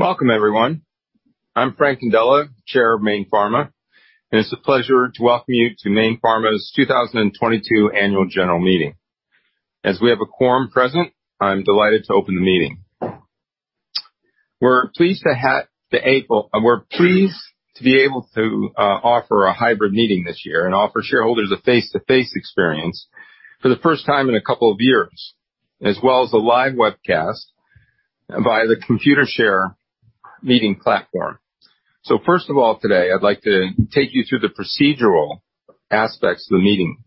Welcome everyone. I'm Frank Condella, Chair of Mayne Pharma, and it's a pleasure to welcome you to Mayne Pharma's 2022 Annual General meeting. As we have a quorum present, I'm delighted to open the meeting. We're pleased to be able to offer a hybrid meeting this year and offer shareholders a face-to-face experience for the first time in a couple of years, as well as a live webcast via the Computershare meeting platform. First of all, today, I'd like to take you through the procedural aspects of the meeting.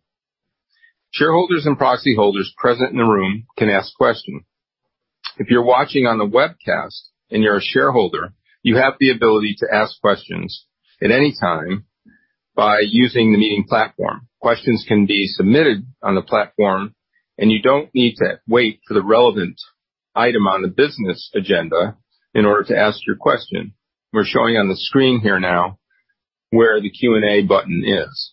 Shareholders and proxy holders present in the room can ask questions. If you're watching on the webcast and you're a shareholder, you have the ability to ask questions at any time by using the meeting platform. Questions can be submitted on the platform, and you don't need to wait for the relevant item on the business agenda in order to ask your question. We're showing on the screen here now where the Q&A button is.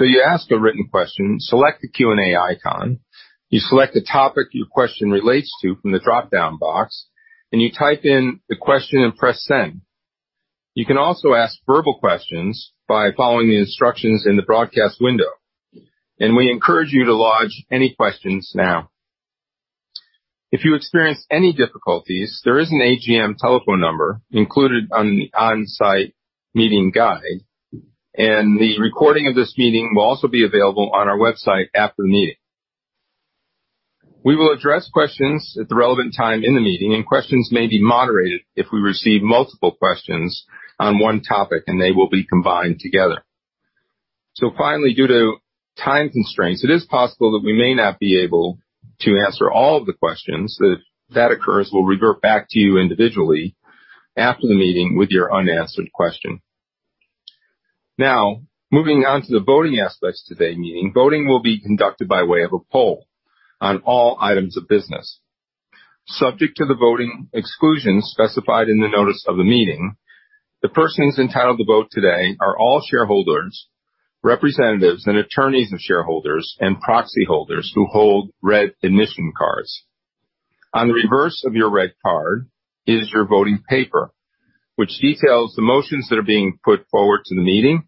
You ask a written question, select the Q&A icon, you select the topic your question relates to from the dropdown box, and you type in the question and press Send. You can also ask verbal questions by following the instructions in the broadcast window, and we encourage you to lodge any questions now. If you experience any difficulties, there is an AGM telephone number included on the on-site meeting guide, and the recording of this meeting will also be available on our website after the meeting. We will address questions at the relevant time in the meeting. Questions may be moderated if we receive multiple questions on one topic, and they will be combined together. Finally, due to time constraints, it is possible that we may not be able to answer all of the questions. If that occurs, we'll revert back to you individually after the meeting with your unanswered question. Moving on to the voting aspects of today's meeting. Voting will be conducted by way of a poll on all items of business. Subject to the voting exclusions specified in the notice of the meeting, the persons entitled to vote today are all shareholders, representatives and attorneys of shareholders and proxy holders who hold red admission cards. On the reverse of your red card is your voting paper, which details the motions that are being put forward to the meeting.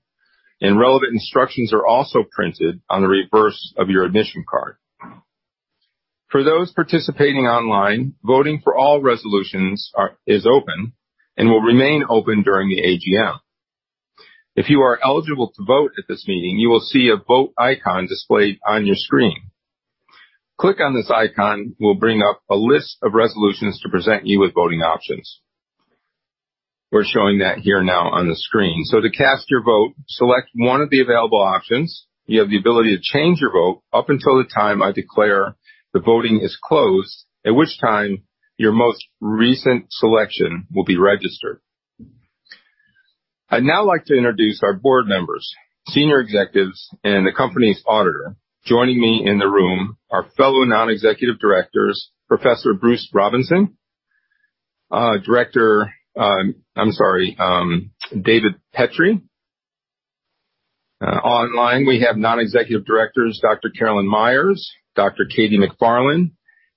Relevant instructions are also printed on the reverse of your admission card. For those participating online, voting for all resolutions is open and will remain open during the AGM. If you are eligible to vote at this meeting, you will see a vote icon displayed on your screen. Click on this icon will bring up a list of resolutions to present you with voting options. We're showing that here now on the screen. To cast your vote, select one of the available options. You have the ability to change your vote up until the time I declare the voting is closed, at which time your most recent selection will be registered. I'd now like to introduce our board members, senior executives, and the company's auditor. Joining me in the room are fellow non-executive directors, Professor Bruce Robinson, I'm sorry, David Petrie. Online, we have non-executive directors, Dr. Carolyn Myers, Dr. Katie MacFarlane,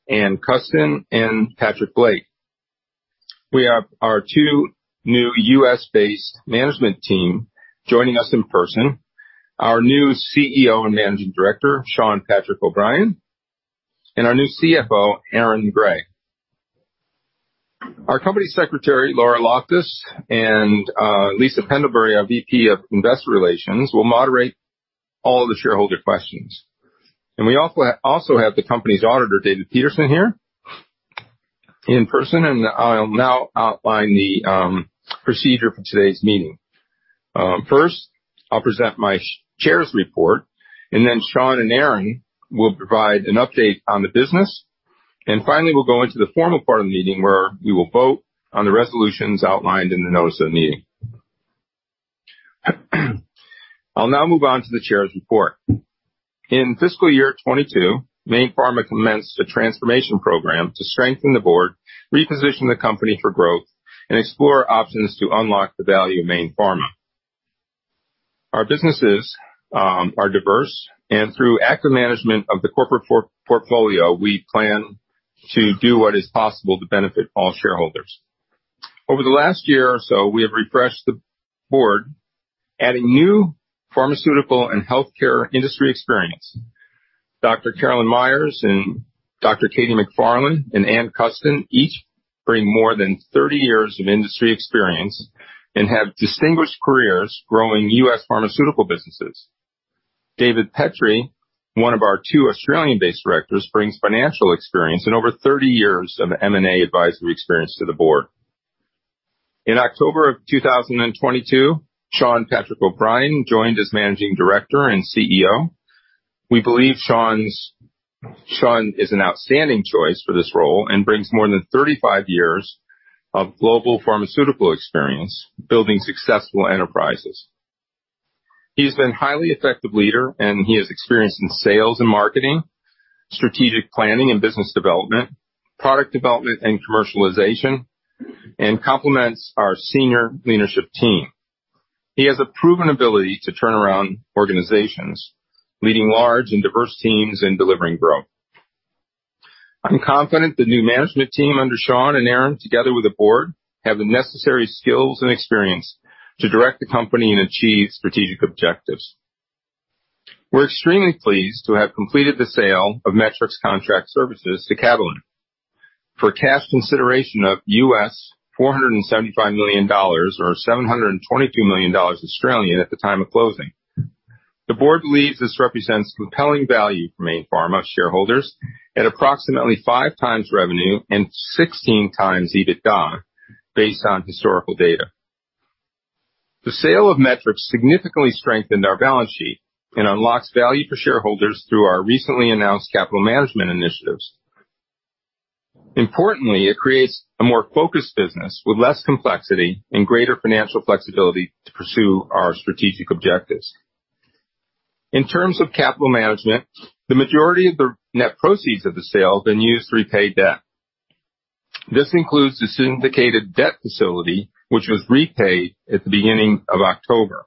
Ann Custin, and Patrick Blake. We have our two new U.S.-based management team joining us in person. Our new CEO and Managing Director, Shawn Patrick O'Brien, and our new CFO, Aaron Gray. Our company secretary, Laura Loftus, and Lisa Pendlebury, our VP of Investor Relations, will moderate all the shareholder questions. We also have the company's auditor, David Petersen, here in person. I'll now outline the procedure for today's meeting. First, I'll present my Chair's report, and then Shawn and Aaron will provide an update on the business. Finally, we'll go into the formal part of the meeting where we will vote on the resolutions outlined in the notice of the meeting. I'll now move on to the Chair's report. In fiscal year 2022, Mayne Pharma commenced a transformation program to strengthen the board, reposition the company for growth, and explore options to unlock the value of Mayne Pharma. Our businesses are diverse, through active management of the corporate portfolio, we plan to do what is possible to benefit all shareholders. Over the last year or so, we have refreshed the board, adding new pharmaceutical and healthcare industry experience. Dr. Carolyn Myers and Dr. Katie MacFarlane and Ann Custin each bring more than 30 years of industry experience and have distinguished careers growing U.S. pharmaceutical businesses. David Petrie, one of our two Australian-based directors, brings financial experience and over 30 years of M&A advisory experience to the board. In October 2022, Shawn Patrick O'Brien joined as Managing Director and CEO. We believe Shawn is an outstanding choice for this role and brings more than 35 years of global pharmaceutical experience building successful enterprises. He's been a highly effective leader, and he has experience in sales and marketing, strategic planning and business development, product development and commercialization, and complements our senior leadership team. He has a proven ability to turn around organizations leading large and diverse teams in delivering growth. I'm confident the new management team under Shawn and Aaron, together with the board, have the necessary skills and experience to direct the company and achieve strategic objectives. We're extremely pleased to have completed the sale of Metrics Contract Services to Catalent for cash consideration of $475 million or 722 million dollars at the time of closing. The board believes this represents compelling value for Mayne Pharma shareholders at approximately five times revenue and 16 times EBITDA based on historical data. The sale of Metrics significantly strengthened our balance sheet and unlocks value for shareholders through our recently announced capital management initiatives. Importantly, it creates a more focused business with less complexity and greater financial flexibility to pursue our strategic objectives. In terms of capital management, the majority of the net proceeds of the sale have been used to repay debt. This includes the syndicated debt facility, which was repaid at the beginning of October.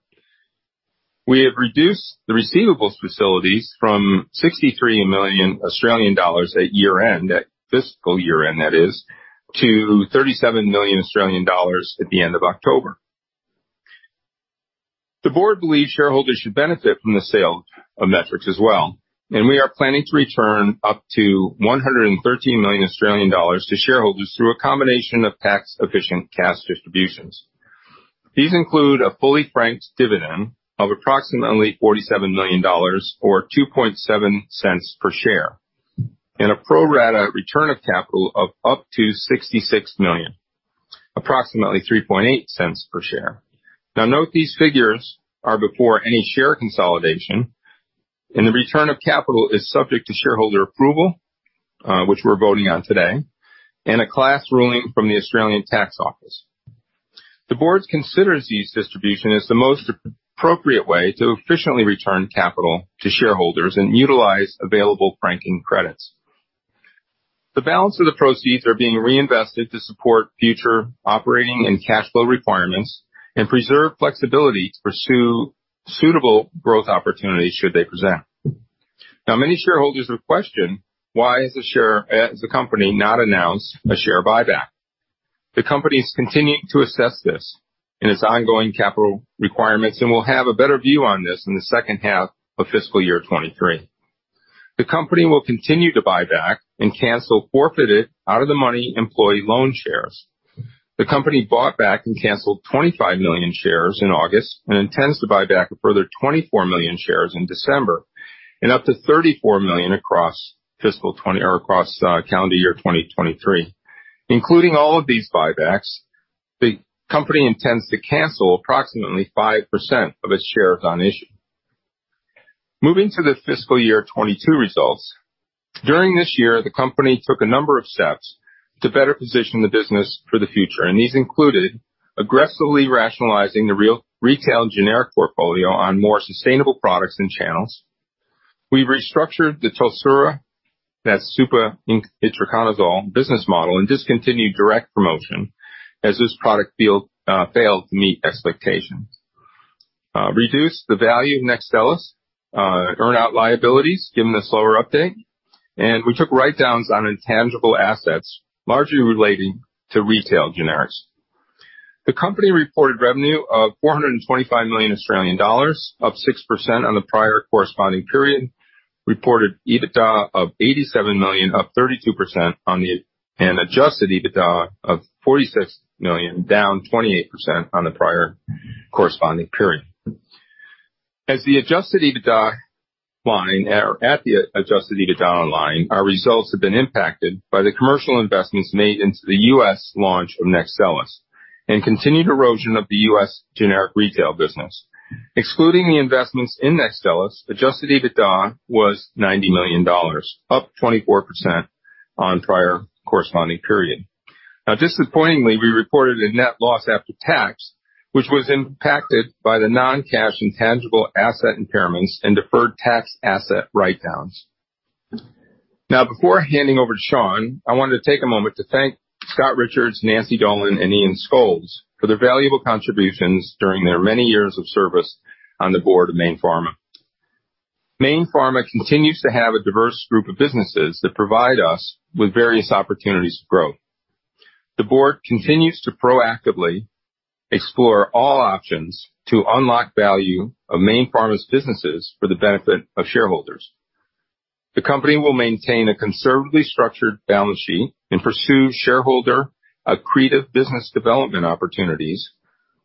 We have reduced the receivables facilities from 63 million Australian dollars at year-end, at fiscal year-end that is, to 37 million Australian dollars at the end of October. The board believes shareholders should benefit from the sale of Metrics as well. We are planning to return up to 113 million Australian dollars to shareholders through a combination of tax-efficient cash distributions. These include a fully franked dividend of approximately 47 million dollars or 0.027 per share and a pro rata return of capital of up to 66 million, approximately 0.038 per share. Note these figures are before any share consolidation and the return of capital is subject to shareholder approval, which we're voting on today, and a class ruling from the Australian Tax Office. The board considers this distribution as the most appropriate way to efficiently return capital to shareholders and utilize available franking credits. The balance of the proceeds are being reinvested to support future operating and cash flow requirements and preserve flexibility to pursue suitable growth opportunities should they present. Many shareholders have questioned why has the share, the company not announced a share buyback. The company is continuing to assess this in its ongoing capital requirements, and we'll have a better view on this in the second half of fiscal year 2023. The company will continue to buy back and cancel forfeited out-of-the-money employee loan shares. The company bought back and canceled 25 million shares in August and intends to buy back a further 24 million shares in December and up to 34 million across fiscal 20 or across calendar year 2023. Including all of these buybacks, the company intends to cancel approximately 5% of its shares on issue. Moving to the fiscal year 2022 results. During this year, the company took a number of steps to better position the business for the future, these included aggressively rationalizing the retail generic portfolio on more sustainable products and channels. We restructured the TOLSURA, that's super itraconazole business model, discontinued direct promotion as this product failed to meet expectations. Reduced the value of NEXTSTELLIS earn out liabilities given the slower update, we took write-downs on intangible assets, largely relating to retail generics. The company reported revenue of 425 million Australian dollars, up 6% on the prior corresponding period. Reported EBITDA of 87 million, up 32% on the. Adjusted EBITDA of 46 million, down 28% on the prior corresponding period. At the adjusted EBITDA line, our results have been impacted by the commercial investments made into the U.S. launch of NEXTSTELLIS and continued erosion of the U.S. generic retail business. Excluding the investments in NEXTSTELLIS, adjusted EBITDA was 90 million dollars, up 24% on prior corresponding period. Disappointingly, we reported a net loss after tax, which was impacted by the non-cash intangible asset impairments and deferred tax asset write-downs. Before handing over to Shawn, I wanted to take a moment to thank Scott Richards, Nancy Dolan, and Ian Scholes for their valuable contributions during their many years of service on the board of Mayne Pharma. Mayne Pharma continues to have a diverse group of businesses that provide us with various opportunities to grow. The board continues to proactively explore all options to unlock value of Mayne Pharma's businesses for the benefit of shareholders. The company will maintain a conservatively structured balance sheet and pursue shareholder accretive business development opportunities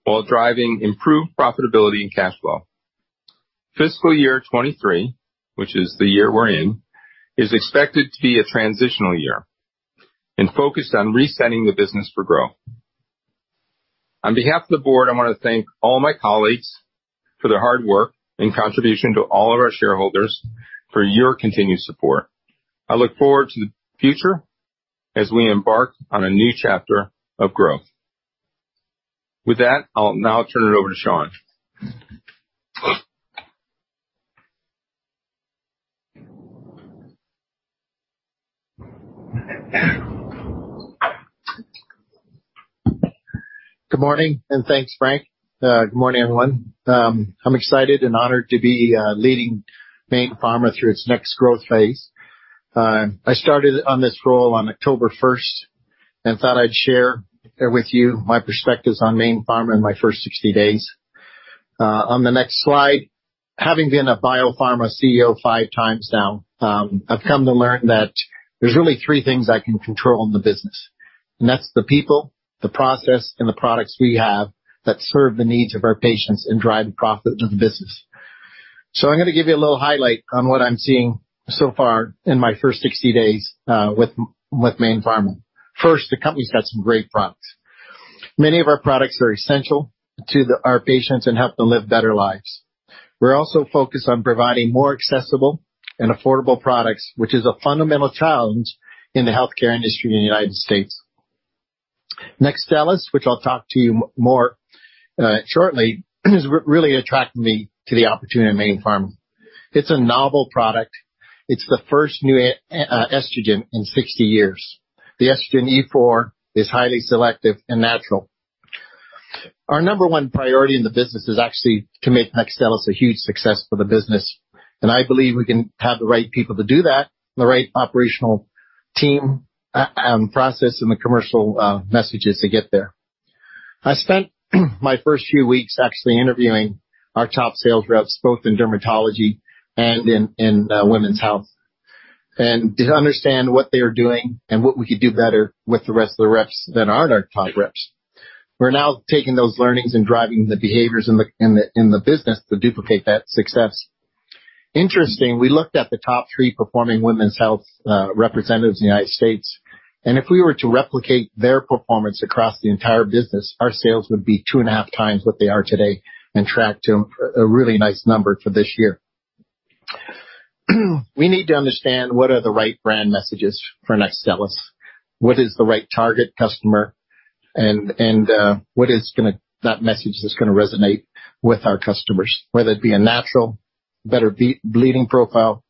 while driving improved profitability and cash flow. Fiscal year 2023, which is the year we're in, is expected to be a transitional year and focused on resetting the business for growth. On behalf of the board, I want to thank all my colleagues for their hard work and contribution to all of our shareholders for your continued support. I look forward to the future as we embark on a new chapter of growth. With that, I'll now turn it over to Shawn. Good morning, and thanks, Frank. Good morning, everyone. I'm excited and honored to be leading Mayne Pharma through its next growth phase. I started on this role on October first and thought I'd share with you my perspectives on Mayne Pharma in my first 60 days. On the next slide, having been a biopharma CEO five times now, I've come to learn that there's really three things I can control in the business, and that's the people, the process, and the products we have that serve the needs of our patients and drive the profit of the business. I'm gonna give you a little highlight on what I'm seeing so far in my first 60 days, with Mayne Pharma. First, the company's got some great products. Many of our products are essential to our patients and help them live better lives. We're also focused on providing more accessible and affordable products, which is a fundamental challenge in the healthcare industry in the United States. NEXTSTELLIS, which I'll talk to you more shortly, is really attracting me to the opportunity in Mayne Pharma. It's a novel product. It's the first new estrogen in 60 years. The estrogen E4 is highly selective and natural. Our number one priority in the business is actually to make NEXTSTELLIS a huge success for the business, and I believe we can have the right people to do that, the right operational team, and process, and the commercial messages to get there. I spent my first few weeks actually interviewing our top sales reps, both in dermatology and in Women's Health, to understand what they are doing and what we could do better with the rest of the reps that aren't our top reps. We're now taking those learnings and driving the behaviors in the business to duplicate that success. Interesting, we looked at the top three performing Women's Health representatives in the United States, if we were to replicate their performance across the entire business, our sales would be two and a half times what they are today and track to a really nice number for this year. We need to understand what are the right brand messages for NEXTSTELLIS, what is the right target customer, and that message that's gonna resonate with our customers, whether it be a natural better bleeding profile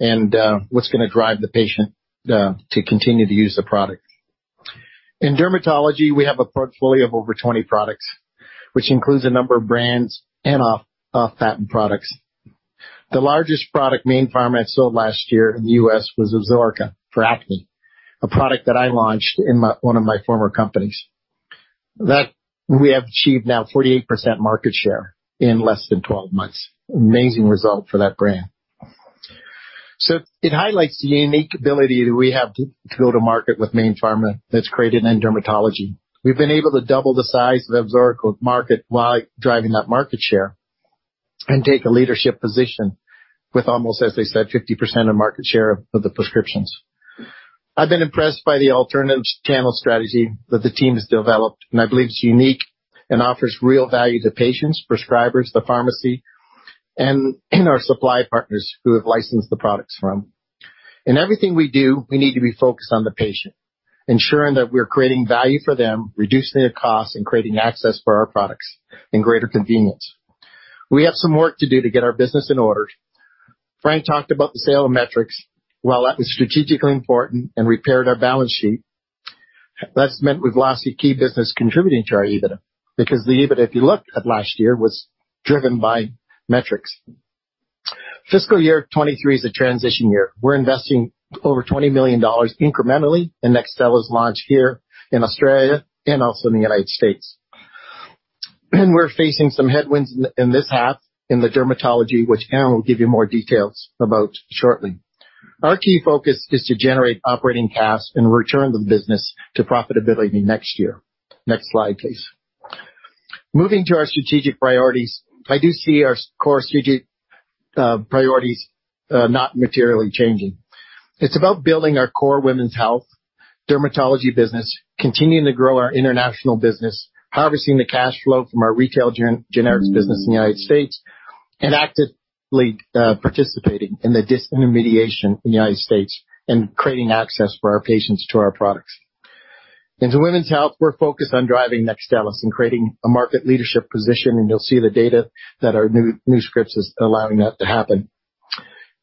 and what's gonna drive the patient to continue to use the product. In dermatology, we have a portfolio of over 20 products, which includes a number of brands and off patent products. The largest product Mayne Pharma had sold last year in the U.S. was Ezoraca for acne, a product that I launched in one of my former companies, that we have achieved now 48% market share in less than 12 months. Amazing result for that brand. It highlights the unique ability that we have to go to market with Mayne Pharma that's created in dermatology. We've been able to double the size of Ezoraca market while driving that market share and take a leadership position with almost, as they said, 50% of market share of the prescriptions. I believe it's unique and offers real value to patients, prescribers, the pharmacy, and our supply partners who have licensed the products from. In everything we do, we need to be focused on the patient, ensuring that we're creating value for them, reducing the cost, and creating access for our products and greater convenience. We have some work to do to get our business in order. Frank talked about the sale of Metrics. While that was strategically important and repaired our balance sheet, that's meant we've lost a key business contributing to our EBITDA. The EBITDA, if you look at last year, was driven by Metrics. Fiscal year 2023 is a transition year. We're investing over $20 million incrementally in NEXTSTELLIS launch here in Australia and also in the United States. We're facing some headwinds in this half in the dermatology, which Ann will give you more details about shortly. Our key focus is to generate operating costs and return the business to profitability next year. Next slide, please. Moving to our strategic priorities. I do see our core strategic priorities not materially changing. It's about building our core women's health dermatology business, continuing to grow our international business, harvesting the cash flow from our retail generics business in the United States, and actively participating in the disintermediation in the United States and creating access for our patients to our products. Into women's health, we're focused on driving NEXTSTELLIS and creating a market leadership position. You'll see the data that our new scripts is allowing that to happen.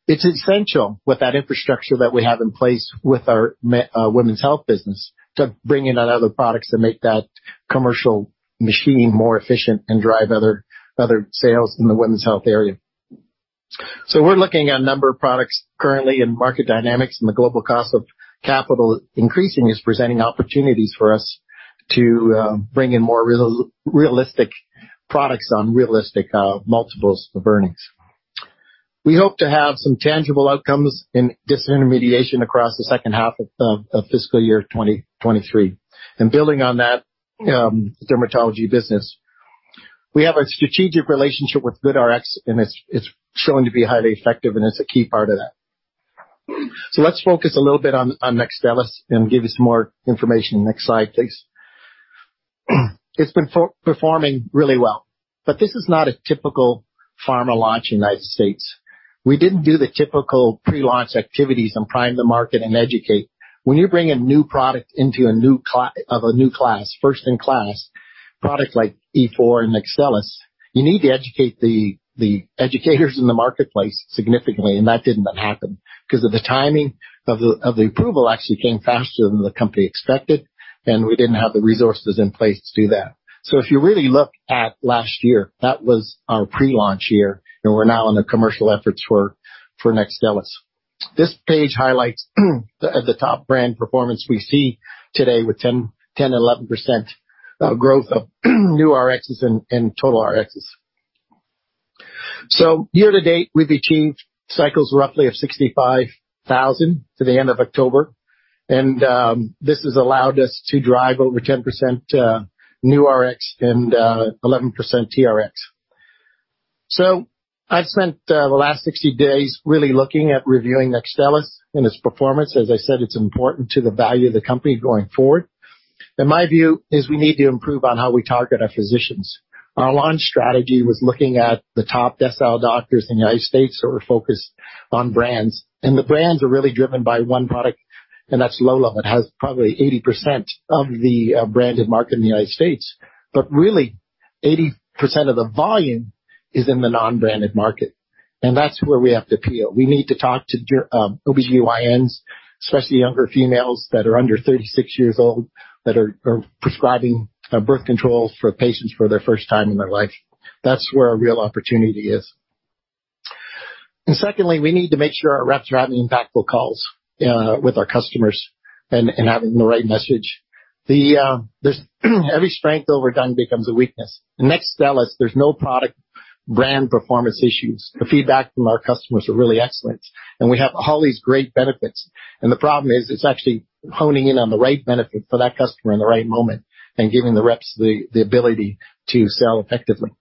It's essential with that infrastructure that we have in place with our women's health business to bring in on other products that make that commercial machine more efficient and drive other sales in the women's health area. We're looking at a number of products currently, and market dynamics and the global cost of capital increasing is presenting opportunities for us to bring in more realistic products on realistic multiples of earnings. We hope to have some tangible outcomes in disintermediation across the second half of fiscal year 2023. Building on that, dermatology business. We have a strategic relationship with GoodRx, and it's shown to be highly effective, and it's a key part of that. Let's focus a little bit on NEXTSTELLIS and give you some more information. Next slide, please. It's been performing really well, but this is not a typical pharma launch in United States. We didn't do the typical pre-launch activities and prime the market and educate. When you bring a new product into a new of a new class, first in class product like E4 and NEXTSTELLIS, you need to educate the educators in the marketplace significantly. That didn't happen. Because of the timing of the approval actually came faster than the company expected. And we didn't have the resources in place to do that. If you really look at last year, that was our pre-launch year, and we're now in the commercial efforts for NEXTSTELLIS. This page highlights the top brand performance we see today with 10%, 11% growth of new RXs and total RXs. Year to date, we've achieved cycles roughly of 65,000 to the end of October. This has allowed us to drive over 10% new RX and 11% TRX. I've spent the last 60 days really looking at reviewing NEXTSTELLIS and its performance. As I said, it's important to the value of the company going forward. My view is we need to improve on how we target our physicians. Our launch strategy was looking at the top decile doctors in the United States who are focused on brands, and the brands are really driven by one product, and that's Lolla. It has probably 80% of the branded market in the United States, but really 80% of the volume is in the non-branded market. That's where we have to appeal. We need to talk to OB-GYNs, especially younger females that are under 36 years old, that are prescribing birth control for patients for their first time in their life. That's where our real opportunity is. Secondly, we need to make sure our reps are having impactful calls with our customers and having the right message. This every strength overdone becomes a weakness. In NEXTSTELLIS, there's no product brand performance issues. The feedback from our customers are really excellent, we have all these great benefits. The problem is it's actually honing in on the right benefit for that customer in the right moment and giving the reps the ability to sell effectively.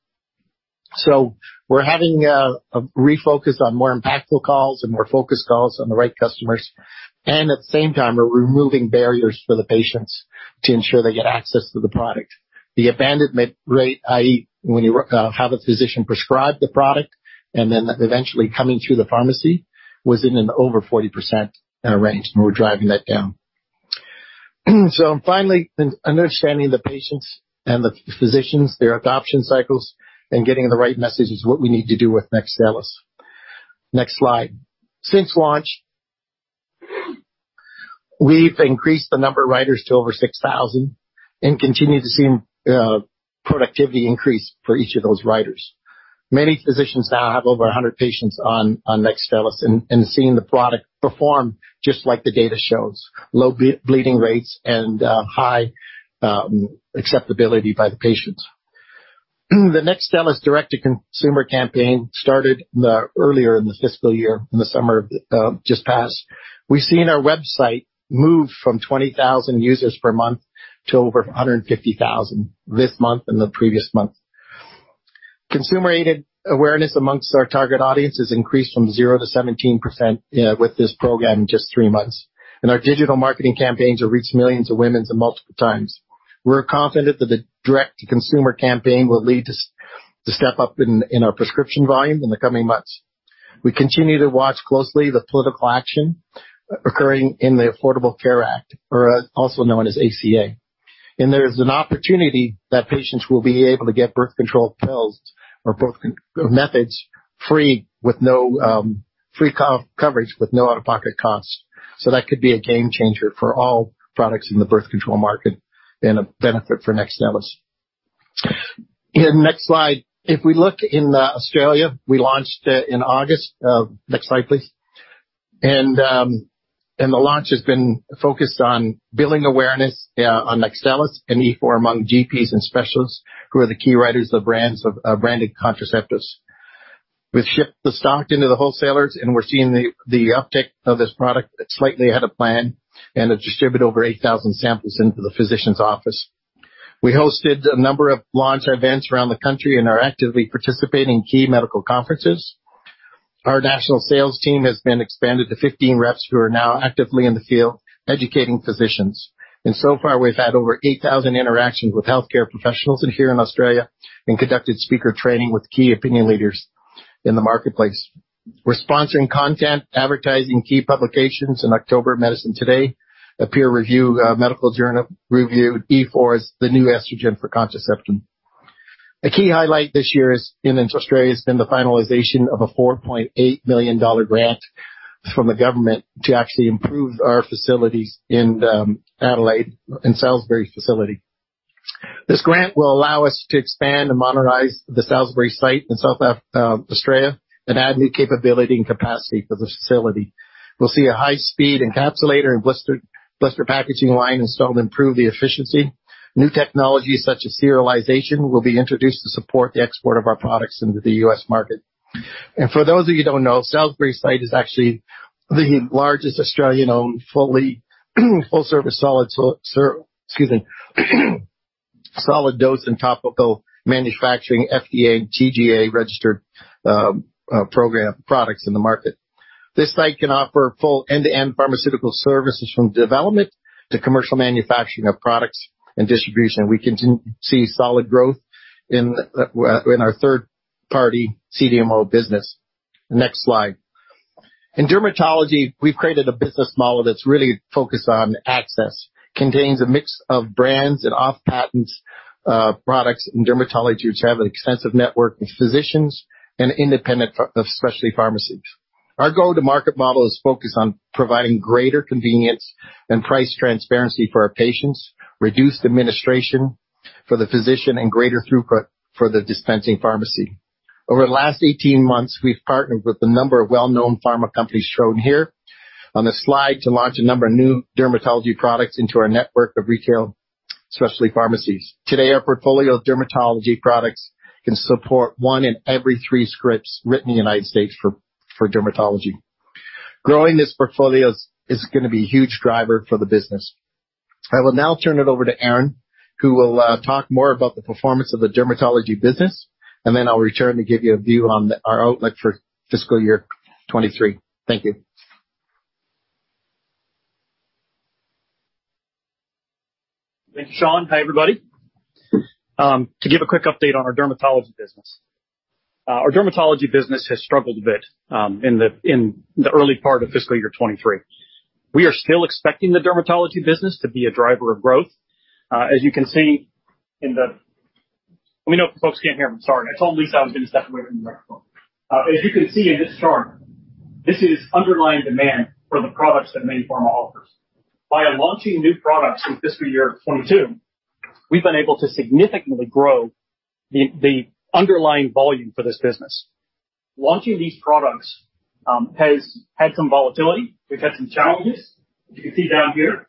We're having a refocus on more impactful calls and more focused calls on the right customers. At the same time, we're removing barriers for the patients to ensure they get access to the product. The abandonment rate, i.e. when you have a physician prescribe the product and then eventually coming through the pharmacy, was in an over 40% range, and we're driving that down. Finally, understanding the patients and the physicians, their adoption cycles and getting the right message is what we need to do with NEXTSTELLIS. Next slide. Since launch, we've increased the number of writers to over 6,000 and continue to see productivity increase for each of those writers. Many physicians now have over 100 patients on NEXTSTELLIS and seeing the product perform just like the data shows. Low bleeding rates and high acceptability by the patients. The NEXTSTELLIS direct-to-consumer campaign started earlier in the fiscal year, in the summer, just passed. We've seen our website move from 20,000 users per month to over 150,000 this month and the previous month. Consumer-aided awareness amongst our target audience has increased from zero to 17% with this program in just three months. Our digital marketing campaigns have reached millions of women in multiple times. We're confident that the direct-to-consumer campaign will lead to step up in our prescription volume in the coming months. We continue to watch closely the political action occurring in the Affordable Care Act, or also known as ACA. There's an opportunity that patients will be able to get birth control pills or methods free with no free coverage with no out-of-pocket costs. That could be a game changer for all products in the birth control market and a benefit for NEXTSTELLIS. Next slide. If we look in Australia, we launched in August. Next slide, please. The launch has been focused on building awareness on NEXTSTELLIS and E4 among GPs and specialists who are the key writers of brands of branded contraceptives. We've shipped the stock into the wholesalers, we're seeing the uptick of this product slightly ahead of plan, it distributed over 8,000 samples into the physician's office. We hosted a number of launch events around the country and are actively participating in key medical conferences. Our national sales team has been expanded to 15 reps, who are now actively in the field educating physicians. So far, we've had over 8,000 interactions with healthcare professionals in here in Australia and conducted speaker training with key opinion leaders in the marketplace. We're sponsoring content, advertising key publications in October, Medicine Today, a peer review, medical journal review, E4 is the new estrogen for contraception. A key highlight this year is in Australia has been the finalization of a 4.8 million dollar grant from the government to actually improve our facilities in Adelaide, in Salisbury facility. This grant will allow us to expand and modernize the Salisbury site in South Australia and add new capability and capacity for the facility. We'll see a high speed encapsulator and blister packaging line installed to improve the efficiency. New technologies such as serialization will be introduced to support the export of our products into the U.S. market. For those of you who don't know, Salisbury site is actually the largest Australian-owned, fully, full-service, Excuse me. Solid dose and topical manufacturing, FDA and TGA-registered program, products in the market. This site can offer full end-to-end pharmaceutical services from development to commercial manufacturing of products and distribution. We continue to see solid growth in our third-party CDMO business. Next slide. In dermatology, we've created a business model that's really focused on access, contains a mix of brands and off-patent products in dermatology, which have an extensive network of physicians and independent specialty pharmacies. Our go-to-market model is focused on providing greater convenience and price transparency for our patients, reduced administration for the physician, and greater throughput for the dispensing pharmacy. Over the last 18 months, we've partnered with a number of well-known pharma companies shown here on the slide to launch a number of new dermatology products into our network of retail specialty pharmacies. Today, our portfolio of dermatology products can support one in every three scripts written in the United States for dermatology. Growing this portfolio is gonna be a huge driver for the business. I will now turn it over to Aaron, who will talk more about the performance of the dermatology business, and then I'll return to give you a view on our outlook for fiscal year 2023. Thank you. Thanks, Shawn. Hi, everybody. To give a quick update on our dermatology business. Our dermatology business has struggled a bit in the early part of fiscal year 2023. We are still expecting the dermatology business to be a driver of growth. As you can see. Let me know if folks can't hear me. I'm sorry. I told Lisa I was gonna step away from the microphone. As you can see in this chart, this is underlying demand for the products that Mayne Pharma offers. By launching new products in fiscal year 2022, we've been able to significantly grow the underlying volume for this business. Launching these products has had some volatility. We've had some challenges. You can see down here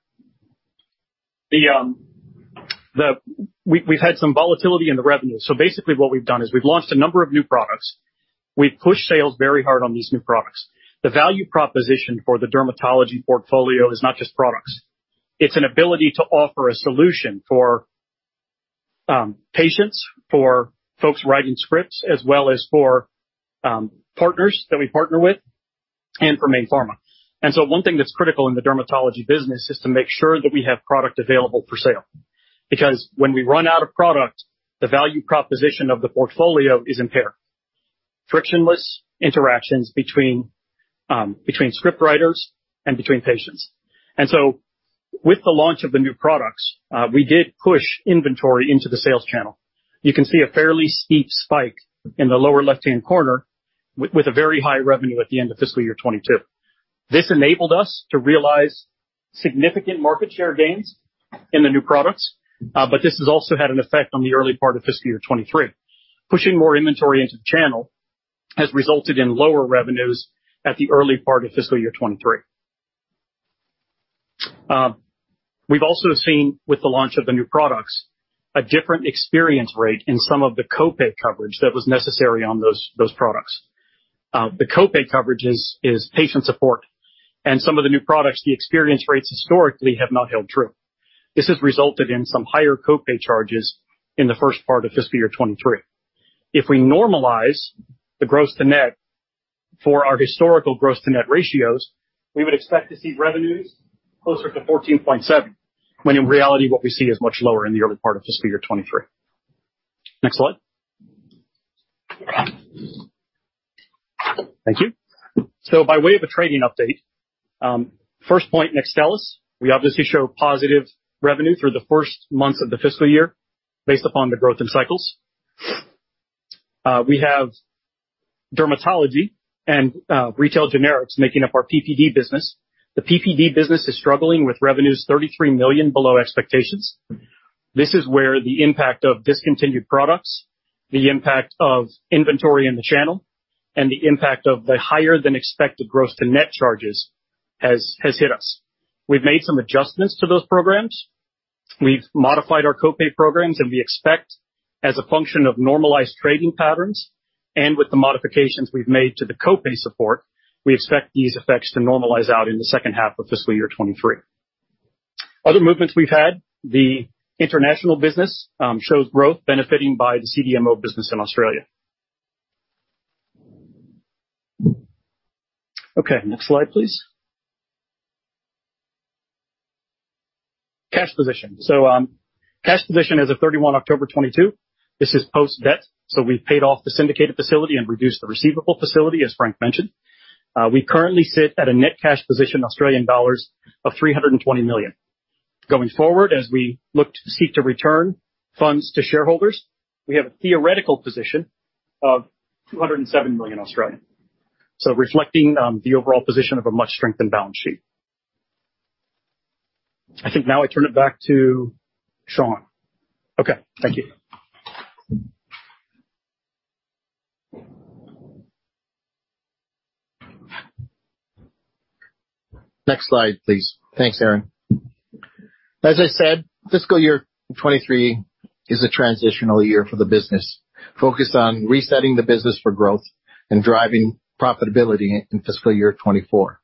We've had some volatility in the revenue. Basically what we've done is we've launched a number of new products. We've pushed sales very hard on these new products. The value proposition for the dermatology portfolio is not just products. It's an ability to offer a solution for patients, for folks writing scripts, as well as for partners that we partner with and for Mayne Pharma. One thing that's critical in the dermatology business is to make sure that we have product available for sale. Because when we run out of product, the value proposition of the portfolio is impaired. Frictionless interactions between script writers and between patients. With the launch of the new products, we did push inventory into the sales channel. You can see a fairly steep spike in the lower left-hand corner with a very high revenue at the end of fiscal year 2022. This enabled us to realize significant market share gains in the new products, but this has also had an effect on the early part of fiscal year 2023. Pushing more inventory into the channel has resulted in lower revenues at the early part of fiscal year 2023. We've also seen, with the launch of the new products, a different experience rate in some of the co-pay coverage that was necessary on those products. The co-pay coverage is patient support and some of the new products, the experience rates historically have not held true. This has resulted in some higher co-pay charges in the first part of fiscal year 2023. If we normalize the gross-to-net for our historical gross-to-net ratios, we would expect to see revenues closer to 14.7, when in reality what we see is much lower in the early part of fiscal year 2023. Next slide. Thank you. By way of a trading update, first point, NEXTSTELLIS, we obviously show positive revenue through the first months of the fiscal year based upon the growth in cycles. We have dermatology and retail generics making up our PPD business. The PPD business is struggling with revenues 33 million below expectations. This is where the impact of discontinued products, the impact of inventory in the channel, and the impact of the higher than expected gross-to-net charges has hit us. We've made some adjustments to those programs. We've modified our co-pay programs, and we expect, as a function of normalized trading patterns and with the modifications we've made to the co-pay support, we expect these effects to normalize out in the second half of fiscal year 2023. Other movements we've had, the international business shows growth benefiting by the CDMO business in Australia. Okay. Next slide, please. Cash position. Cash position as of 31 October 2022. This is post-debt, so we've paid off the syndicated facility and reduced the receivable facility, as Frank mentioned. We currently sit at a net cash position 320 million Australian dollars. Going forward, as we look to seek to return funds to shareholders, we have a theoretical position of 207 million. Reflecting the overall position of a much-strengthened balance sheet. I think now I turn it back to Shawn. Thank you. Next slide, please. Thanks, Aaron. As I said, fiscal year 2023 is a transitional year for the business, focused on resetting the business for growth and driving profitability in fiscal year 2024.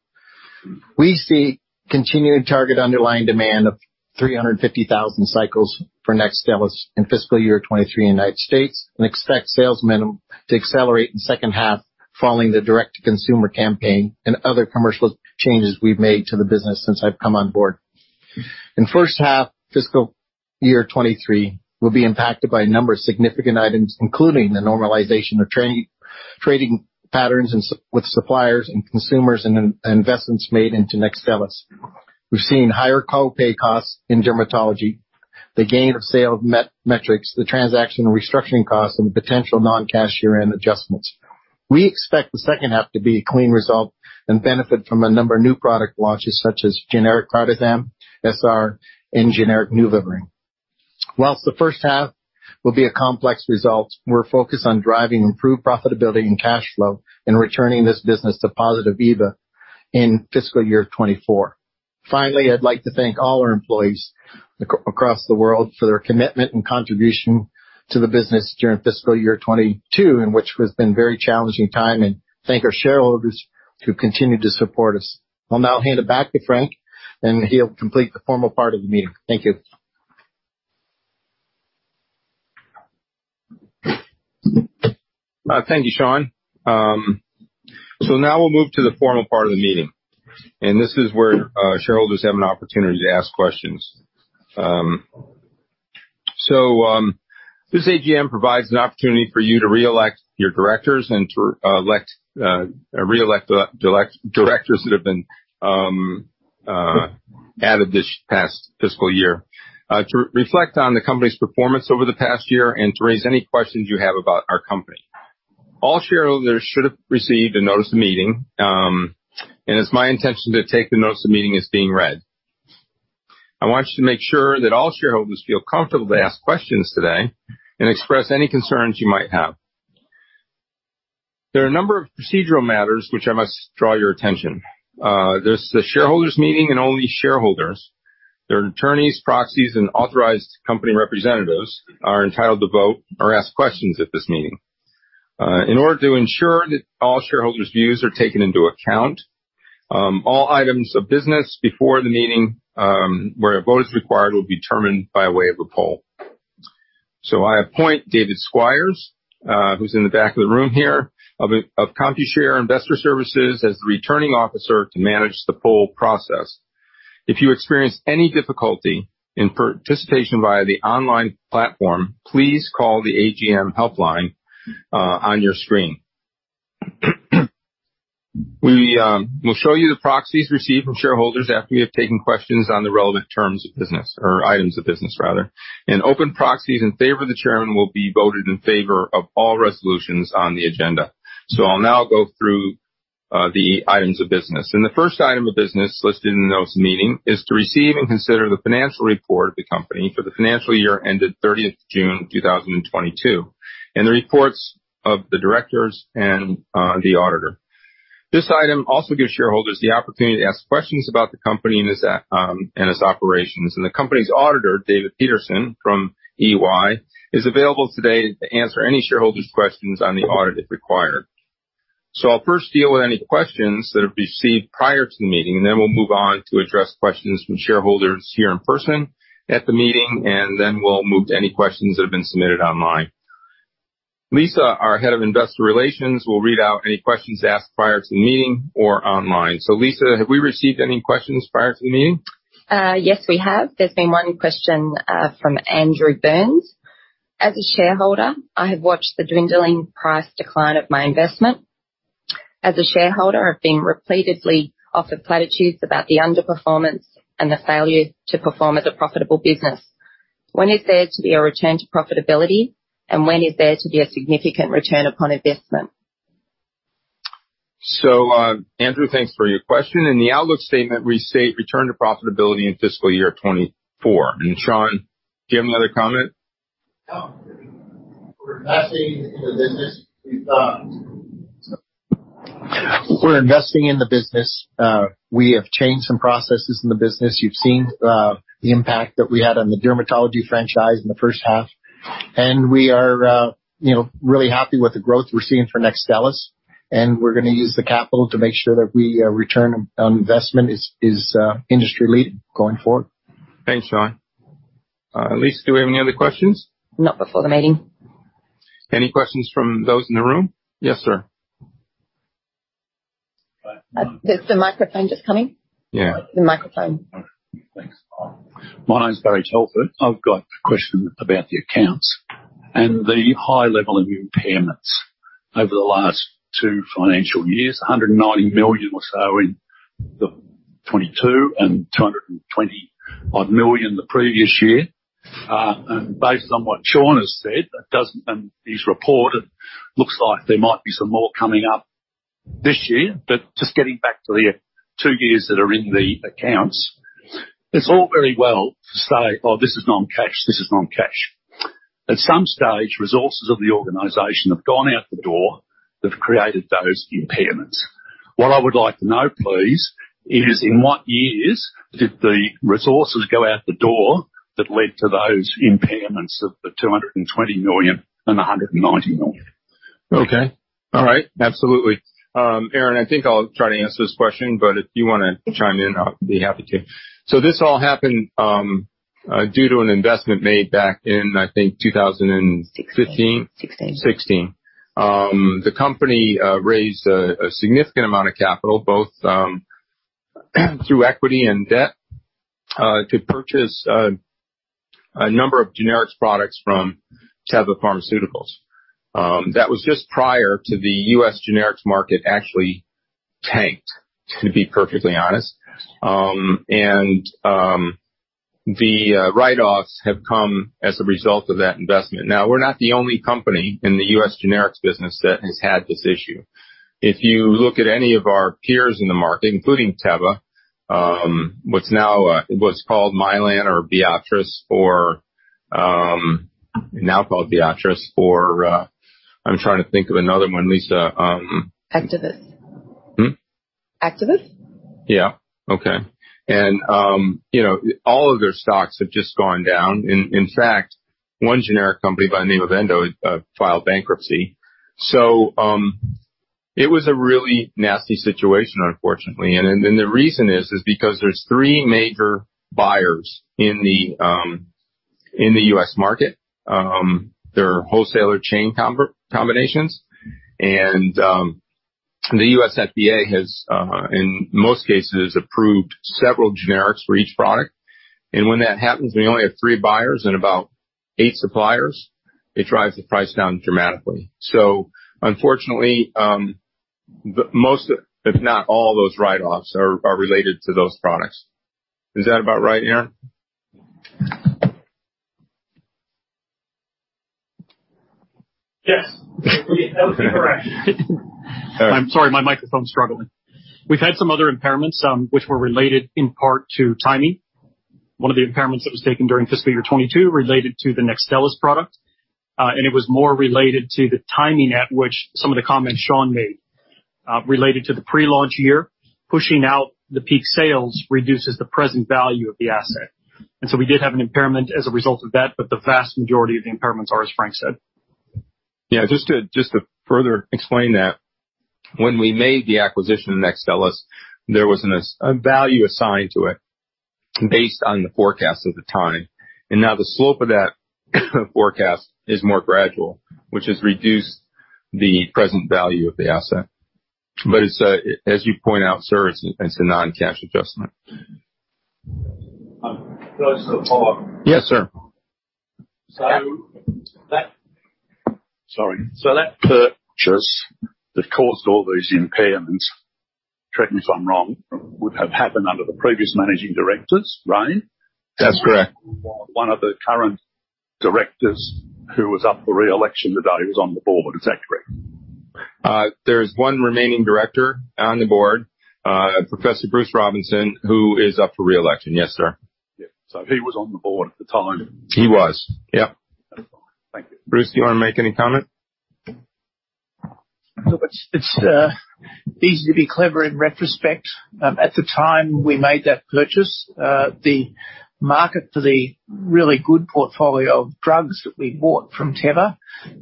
We see continued target underlying demand of 350,000 cycles for NEXTSTELLIS in fiscal year 2023 in the United States and expect sales minimum to accelerate in second half following the direct-to-consumer campaign and other commercial changes we've made to the business since I've come on board. In first half, fiscal year 2023 will be impacted by a number of significant items, including the normalization of trading patterns with suppliers and consumers and investments made into NEXTSTELLIS. We've seen higher co-pay costs in dermatology. The gain of sale metrics, the transaction restructuring costs and the potential non-cash year-end adjustments. We expect the second half to be a clean result and benefit from a number of new product launches such as generic clarithromycin SR and generic NUVARING. While the first half will be a complex result, we're focused on driving improved profitability and cash flow and returning this business to positive EBIT in fiscal year 2024. Finally, I'd like to thank all our employees across the world for their commitment and contribution to the business during fiscal year 2022, in which has been very challenging time, and thank our shareholders who continue to support us. I'll now hand it back to Frank, and he'll complete the formal part of the meeting. Thank you. Thank you, Shawn. Now we'll move to the formal part of the meeting, and this is where shareholders have an opportunity to ask questions. This AGM provides an opportunity for you to reelect your directors and to reelect the directors that have been added this past fiscal year to reflect on the company's performance over the past year and to raise any questions you have about our company. All shareholders should have received a notice of the meeting, and it's my intention to take the notice of the meeting as being read. I want you to make sure that all shareholders feel comfortable to ask questions today and express any concerns you might have. There are a number of procedural matters which I must draw your attention. This is a shareholders meeting and only shareholders, their attorneys, proxies and authorized company representatives are entitled to vote or ask questions at this meeting. In order to ensure that all shareholders views are taken into account, all items of business before the meeting, where a vote is required, will be determined by way of a poll. I appoint David Squires, who's in the back of the room here of Computershare Investor Services, as the Returning Officer to manage the poll process. If you experience any difficulty in participation via the online platform, please call the AGM helpline on your screen. We will show you the proxies received from shareholders after we have taken questions on the relevant terms of business or items of business, rather, and open proxies in favor of the Chairman will be voted in favor of all resolutions on the agenda. I'll now go through the items of business. The first item of business listed in the notice of meeting is to receive and consider the financial report of the company for the financial year ended 30th June 2022, and the reports of the directors and the auditor. This item also gives shareholders the opportunity to ask questions about the company and its operations. The company's auditor, David Petersen from EY, is available today to answer any shareholders questions on the audit if required. I'll first deal with any questions that have been received prior to the meeting, and then we'll move on to address questions from shareholders here in person at the meeting, and then we'll move to any questions that have been submitted online. Lisa, our Head of Investor Relations, will read out any questions asked prior to the meeting or online. Lisa, have we received any questions prior to the meeting? Yes, we have. There's been one question from Andrew Burns. As a shareholder, I have watched the dwindling price decline of my investment. As a shareholder, I've been repeatedly offered platitudes about the underperformance and the failure to perform as a profitable business. When is there to be a return to profitability, and when is there to be a significant return upon investment? Andrew, thanks for your question. In the outlook statement, we state return to profitability in fiscal year 2024. Shawn, do you have another comment? No. We're investing in the business. We have changed some processes in the business. You've seen the impact that we had on the dermatology franchise in the first half, we are, you know, really happy with the growth we're seeing for NEXTSTELLIS, we're gonna use the capital to make sure that we return on investment is industry-leading going forward. Thanks, Shawn. Lisa, do we have any other questions? Not before the meeting. Any questions from those in the room? Yes, sir. There's a microphone just coming. Yeah. The microphone. Thanks. My name is Barry Telford. I've got a question about the accounts and the high level of impairments over the last two financial years, 190 million or so in 2022 and 220 million the previous year. Based on what Shawn has said, in his report, it looks like there might be some more coming up this year. Just getting back to the two years that are in the accounts, it's all very well to say, "Oh, this is non-cash, this is non-cash." At some stage, resources of the organization have gone out the door that created those impairments. What I would like to know, please, is in what years did the resources go out the door that led to those impairments of 220 million and 190 million? Okay. All right. Absolutely. Aaron, I think I'll try to answer this question, but if you wanna chime in, I'll be happy to. This all happened, due to an investment made back in, I think. 2016. 2015? 2016. 2016. The company raised a significant amount of capital, both through equity and debt, to purchase a number of generics products from Teva Pharmaceuticals. That was just prior to the U.S. generics market actually tanked, to be perfectly honest. The write-offs have come as a result of that investment. Now, we're not the only company in the U.S. generics business that has had this issue. If you look at any of our peers in the market, including Teva, what's called Mylan or Viatris, or I'm trying to think of another one, Lisa. Actavis. Hmm? Actavis? Yeah. Okay. you know, all of their stocks have just gone down. In fact, one generic company by the name of Endo filed bankruptcy. It was a really nasty situation, unfortunately. The reason is because there's three major buyers in the U.S. market. There are wholesaler chain combinations and the U.S. FDA has in most cases approved several generics for each product. When that happens, we only have three buyers and about eight suppliers. It drives the price down dramatically. Unfortunately, the most, if not all those write-offs are related to those products. Is that about right, Aaron? Yes. That would be correct. I'm sorry my microphone's struggling. We've had some other impairments, which were related in part to timing. One of the impairments that was taken during fiscal year 2022 related to the NEXTSTELLIS product, and it was more related to the timing at which some of the comments Shawn made, related to the pre-launch year. Pushing out the peak sales reduces the present value of the asset. We did have an impairment as a result of that, but the vast majority of the impairments are, as Frank said. Just to further explain that, when we made the acquisition of NEXTSTELLIS, there was a value assigned to it based on the forecast at the time. Now the slope of that forecast is more gradual, which has reduced the present value of the asset. It's, as you point out, sir, it's a non-cash adjustment. Can I just have a follow-up? Yes, sir. Sorry. That purchase that caused all those impairments, correct me if I'm wrong, would have happened under the previous managing directors, right? That's correct. One of the current directors who was up for re-election today was on the board. Is that correct? There is one remaining director on the board, Professor Bruce Robinson, who is up for re-election. Yes, sir. Yeah. He was on the board at the time. He was. Yeah. Thank you. Bruce, do you want to make any comment? Look, it's easy to be clever in retrospect. At the time we made that purchase, the market for the really good portfolio of drugs that we bought from Teva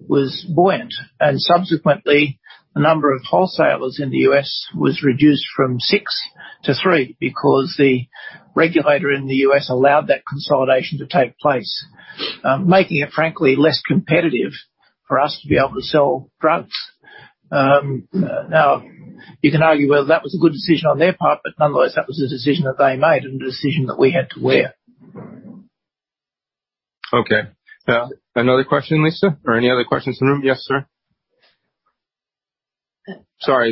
was buoyant. Subsequently, the number of wholesalers in the U.S. was reduced from six to three because the regulator in the U.S. allowed that consolidation to take place, making it frankly less competitive for us to be able to sell drugs. Now, you can argue, well, that was a good decision on their part. Nonetheless, that was a decision that they made and a decision that we had to wear. Okay. another question, Lisa? any other questions in the room? Yes, sir. Sorry.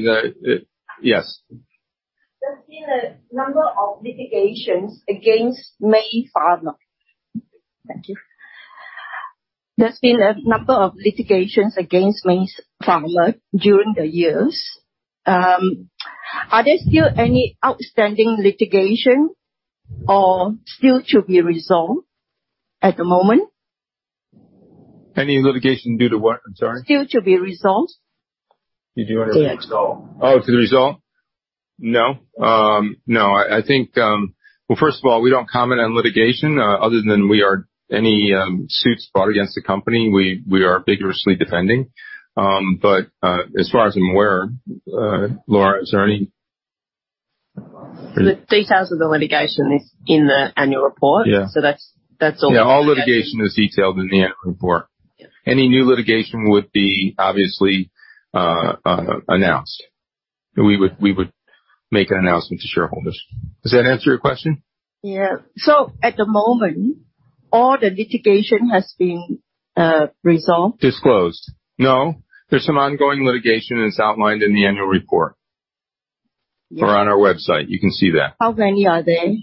Yes. Thank you. There's been a number of litigations against Mayne Pharma's during the years. Are there still any outstanding litigation or still to be resolved at the moment? Any litigation due to what? I'm sorry. Still to be resolved. Did you want to resolve? Oh, to resolve. No. No. I think, Well, first of all, we don't comment on litigation, other than we are any suits brought against the company, we are vigorously defending. As far as I'm aware, Laura, is there any? The details of the litigation is in the annual report. Yeah. That's. Yeah, all litigation is detailed in the annual report. Yeah. Any new litigation would be obviously announced. We would make an announcement to shareholders. Does that answer your question? Yeah. At the moment, all the litigation has been resolved? Disclosed. No, there's some ongoing litigation, and it's outlined in the annual report. Yeah. On our website. You can see that. How many are there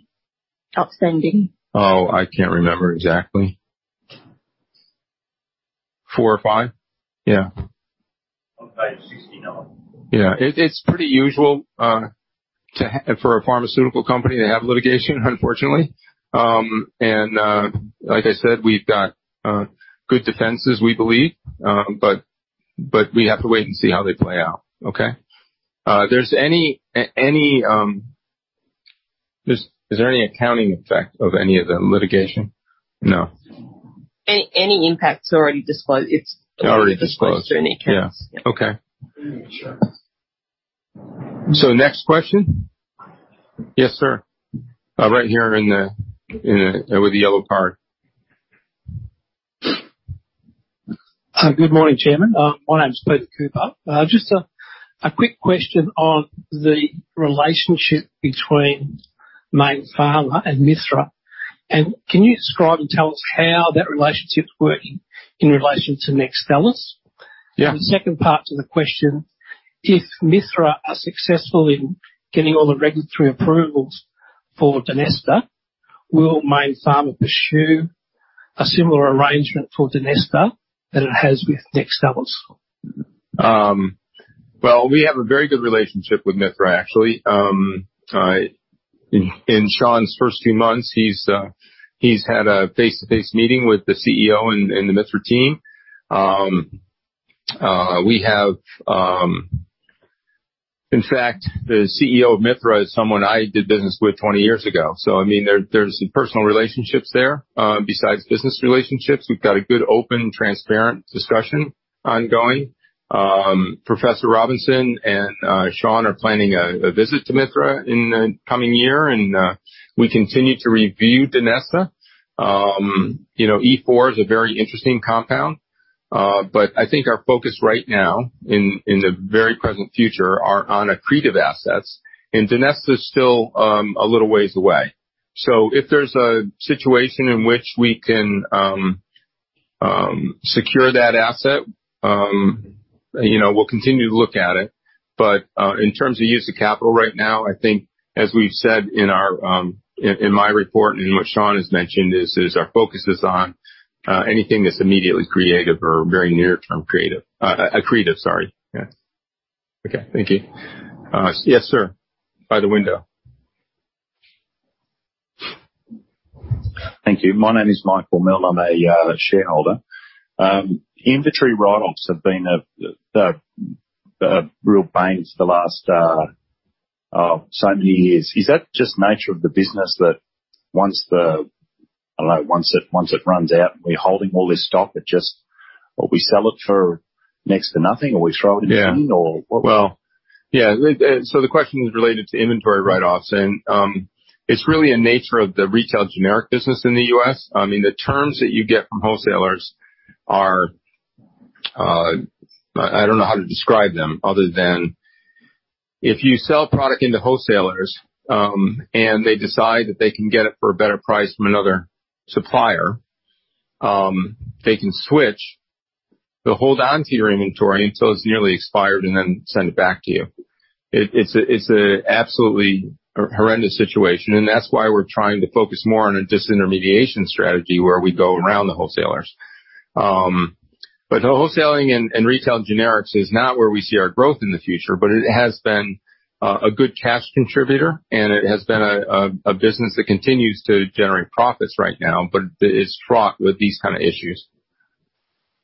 outstanding? Oh, I can't remember exactly. Four or five. Yeah. About 60 now. Yeah. It's pretty usual for a pharmaceutical company to have litigation, unfortunately. Like I said, we've got good defenses, we believe. But we have to wait and see how they play out. Okay? Is there any accounting effect of any of the litigation? No. Any impact is already disclosed. Already disclosed. Disclosed in the accounts. Yeah. Okay. Next question. Yes, sir. Right here in the, in the, with a yellow card. Good morning, Chairman. My name is Peter Cooper. Just a quick question on the relationship between Mayne Pharma and Mithra. Can you describe and tell us how that relationship's working in relation to NEXTSTELLIS? Yeah. The second part to the question, if Mithra are successful in getting all the regulatory approvals for Donesta, will Mayne Pharma pursue a similar arrangement for Donesta that it has with NEXTSTELLIS? Well, we have a very good relationship with Mithra, actually. In Shawn's first few months, he's had a face-to-face meeting with the CEO and the Mithra team. We have In fact, the CEO of Mithra is someone I did business with 20 years ago. I mean, there's some personal relationships there besides business relationships. We've got a good open and transparent discussion ongoing. Professor Robinson and Shawn are planning a visit to Mithra in the coming year. We continue to review Donesta. You know, E4 is a very interesting compound. I think our focus right now in the very present future are on accretive assets and Donesta is still a little ways away. If there's a situation in which we can secure that asset, you know, we'll continue to look at it. In terms of use of capital right now, I think as we've said in our in my report and what Shawn has mentioned is our focus is on anything that's immediately creative or very near-term creative. Accretive, sorry. Yeah. Okay. Thank you. Yes, sir. By the window. Thank you. My name is Michael Milne. I'm a shareholder. Inventory write-offs have been a real bane for the last so many years. Is that just nature of the business that I don't know, once it runs out, we're holding all this stock at just? Or we sell it for next to nothing, or we throw it in the bin. Yeah. What? Well, yeah. The question is related to inventory write-offs and it's really a nature of the retail generic business in the U.S. I mean, the terms that you get from wholesalers are, I don't know how to describe them other than if you sell product into wholesalers, and they decide that they can get it for a better price from another supplier, they can switch. They'll hold on to your inventory until it's nearly expired and then send it back to you. It's a absolutely horrendous situation, and that's why we're trying to focus more on a disintermediation strategy where we go around the wholesalers. Wholesaling and retail generics is not where we see our growth in the future, but it has been a good cash contributor, and it has been a business that continues to generate profits right now, but it's fraught with these kinda issues.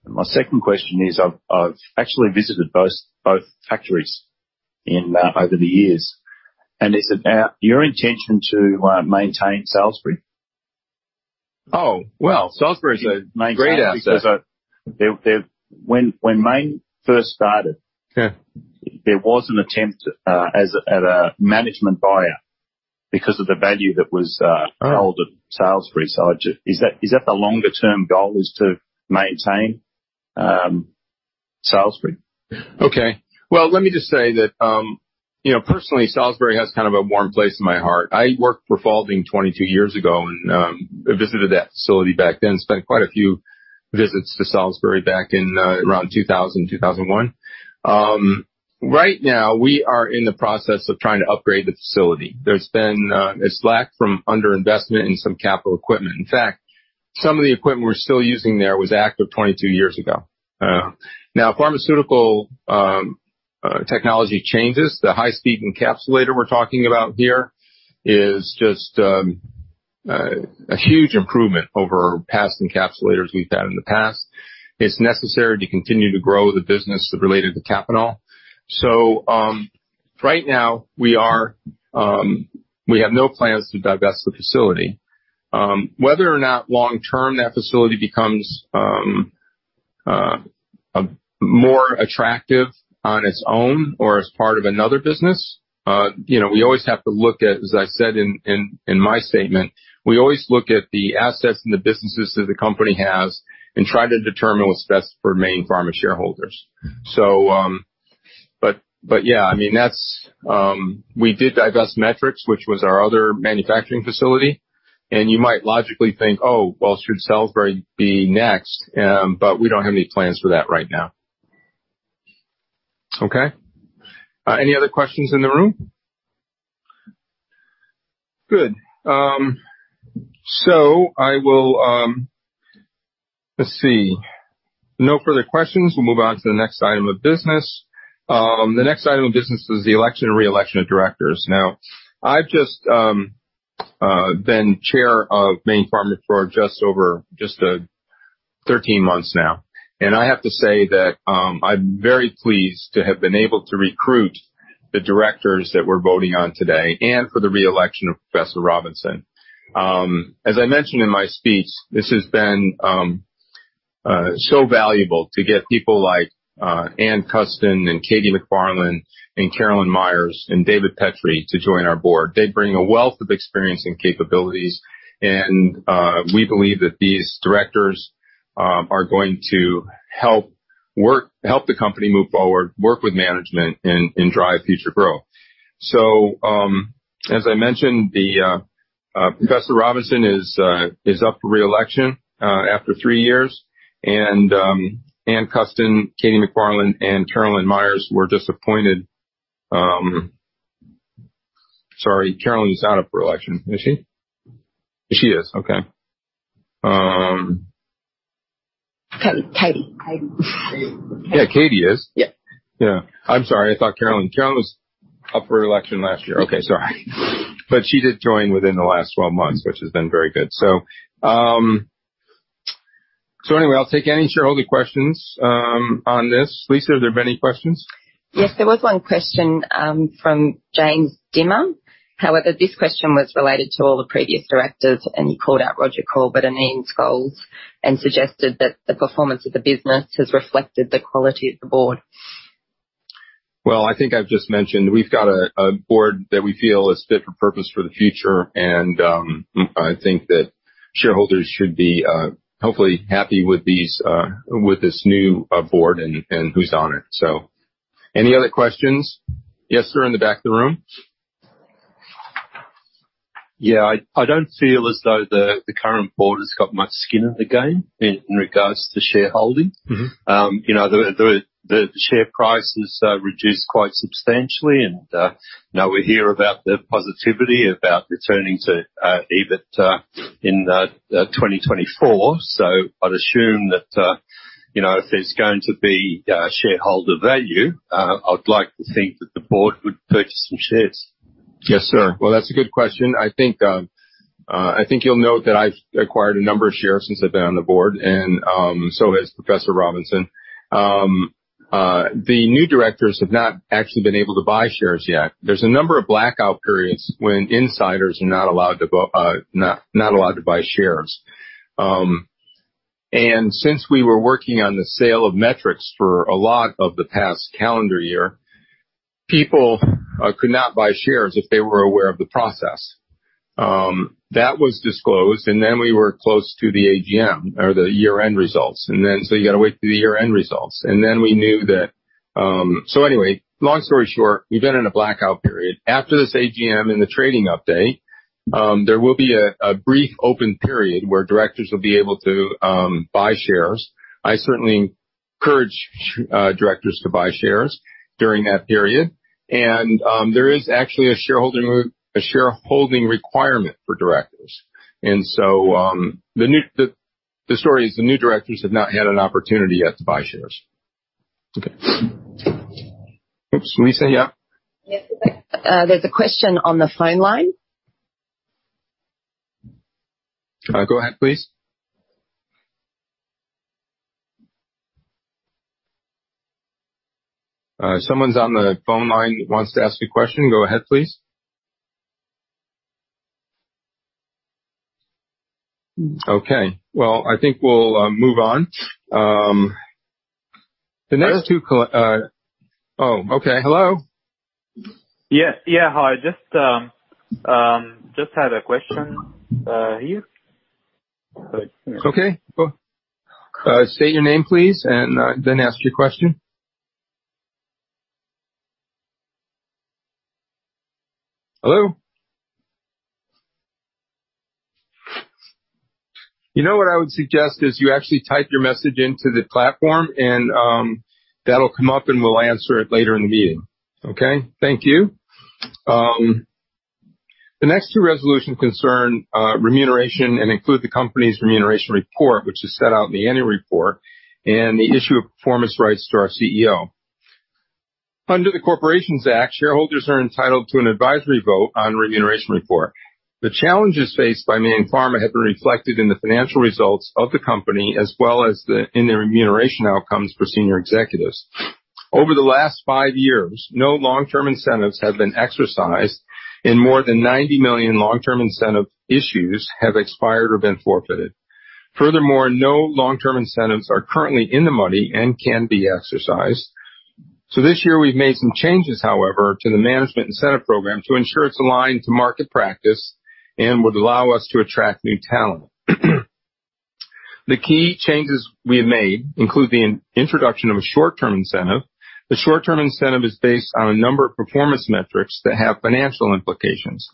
My second question is, I've actually visited both factories in over the years, and it's about your intention to maintain Salisbury. Oh, well, Salisbury is a great asset. There, When Mayne first started. Yeah. There was an attempt at a management buyer because of the value that was held at Salisbury. Is that the longer term goal is to maintain Salisbury? Okay. Well, let me just say that, you know, personally, Salisbury has kind of a warm place in my heart. I worked for Faulding 22 years ago, and I visited that facility back then, spent quite a few visits to Salisbury back in, around 2000, 2001. Right now we are in the process of trying to upgrade the facility. There's been a slack from underinvestment in some capital equipment. In fact, some of the equipment we're still using there was active 22 years ago. Now pharmaceutical technology changes. The high-speed encapsulator we're talking about here is just a huge improvement over past encapsulators we've had in the past. It's necessary to continue to grow the business related to KAPANOL. Right now we are, we have no plans to divest the facility. Whether or not long term that facility becomes more attractive on its own or as part of another business, we always have to look at, as I said in my statement, we always look at the assets and the businesses that the company has and try to determine what's best for Mayne Pharma shareholders. Yeah, that's. We did divest Metrics, which was our other manufacturing facility. You might logically think, "Oh, well, should Salisbury be next?" We don't have any plans for that right now. Okay. Any other questions in the room? Good. I will. Let's see. No further questions. We'll move on to the next item of business. The next item of business is the election and re-election of directors. I've just been chair of Mayne Pharma for just over 13 months now. I have to say that I'm very pleased to have been able to recruit the directors that we're voting on today and for the re-election of Professor Robinson. As I mentioned in my speech, this has been so valuable to get people like Ann Custin and Katie MacFarlane and Carolyn Myers and David Petrie to join our board. They bring a wealth of experience and capabilities. We believe that these directors are going to help the company move forward, work with management and drive future growth. As I mentioned, Professor Robinson is up for reelection after three years. Ann Custin, Katie MacFarlane, and Carolyn Myers were just appointed. Sorry, Carolyn's not up for election, is she? She is. Okay. Katie. Yeah, Katie is. Yeah. Yeah. I'm sorry. I thought Carolyn. Carolyn was up for election last year. Okay. Sorry. She did join within the last 12 months, which has been very good. Anyway, I'll take any shareholder questions on this. Lisa, have there been any questions? Yes, there was one question, from James Dimmer. This question was related to all the previous directors, and he called out Roger Corbett and Ian Scholes and suggested that the performance of the business has reflected the quality of the board. Well, I think I've just mentioned, we've got a board that we feel is fit for purpose for the future. I think that shareholders should be hopefully happy with these with this new board and who's on it. Any other questions? Yes, sir. In the back of the room. Yeah. I don't feel as though the current board has got much skin in the game in regards to shareholding. Mm-hmm. you know, the share price has reduced quite substantially. Now we hear about the positivity about returning to EBIT in 2024. I'd assume that, you know, if there's going to be shareholder value, I'd like to think that the board would purchase some shares. Yes, sir. Well, that's a good question. I think you'll note that I've acquired a number of shares since I've been on the board, so has Professor Robinson. The new directors have not actually been able to buy shares yet. There's a number of blackout periods when insiders are not allowed to go, not allowed to buy shares. Since we were working on the sale of Metrics for a lot of the past calendar year, people could not buy shares if they were aware of the process. That was disclosed. We were close to the AGM or the year-end results. You got to wait through the year-end results. We knew that, so, anyway, long story short, we've been in a blackout period. After this AGM and the trading update, there will be a brief open period where directors will be able to buy shares. I certainly encourage directors to buy shares during that period. There is actually a shareholding requirement for directors. The story is the new directors have not had an opportunity yet to buy shares. Okay. Oops, Lisa. Yeah. Yes. There's a question on the phone line. Go ahead, please. Someone's on the phone line, wants to ask a question. Go ahead, please. Okay. Well, I think we'll move on. The next two. Okay. Hello? Yeah. Yeah. Hi. Just had a question, here. Okay, cool. State your name, please, and then ask your question. Hello? You know what I would suggest is you actually type your message into the platform, and that'll come up, and we'll answer it later in the meeting. Okay? Thank you. The next two resolutions concern remuneration and include the company's remuneration report, which is set out in the annual report and the issue of performance rights to our CEO. Under the Corporations Act, shareholders are entitled to an advisory vote on remuneration report. The challenges faced by Mayne Pharma have been reflected in the financial results of the company as well as in their remuneration outcomes for senior executives. Over the last five years, no long-term incentives have been exercised, and more than 90 million long-term incentive issues have expired or been forfeited. Furthermore, no long-term incentives are currently in the money and can be exercised. This year we've made some changes, however, to the management incentive program to ensure it's aligned to market practice and would allow us to attract new talent. The key changes we have made include the introduction of a short-term incentive. The short-term incentive is based on a number of performance metrics that have financial implications.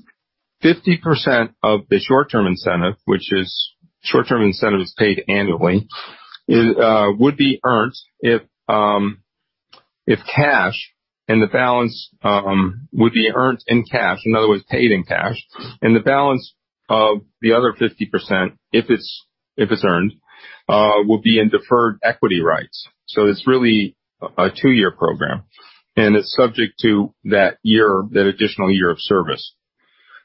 50% of the short-term incentive, which is short-term incentive, is paid annually. It would be earned if cash and the balance would be earned in cash, in other words, paid in cash, and the balance of the other 50%, if it's earned, will be in deferred equity rights. It's really a two-year program, and it's subject to that additional year of service.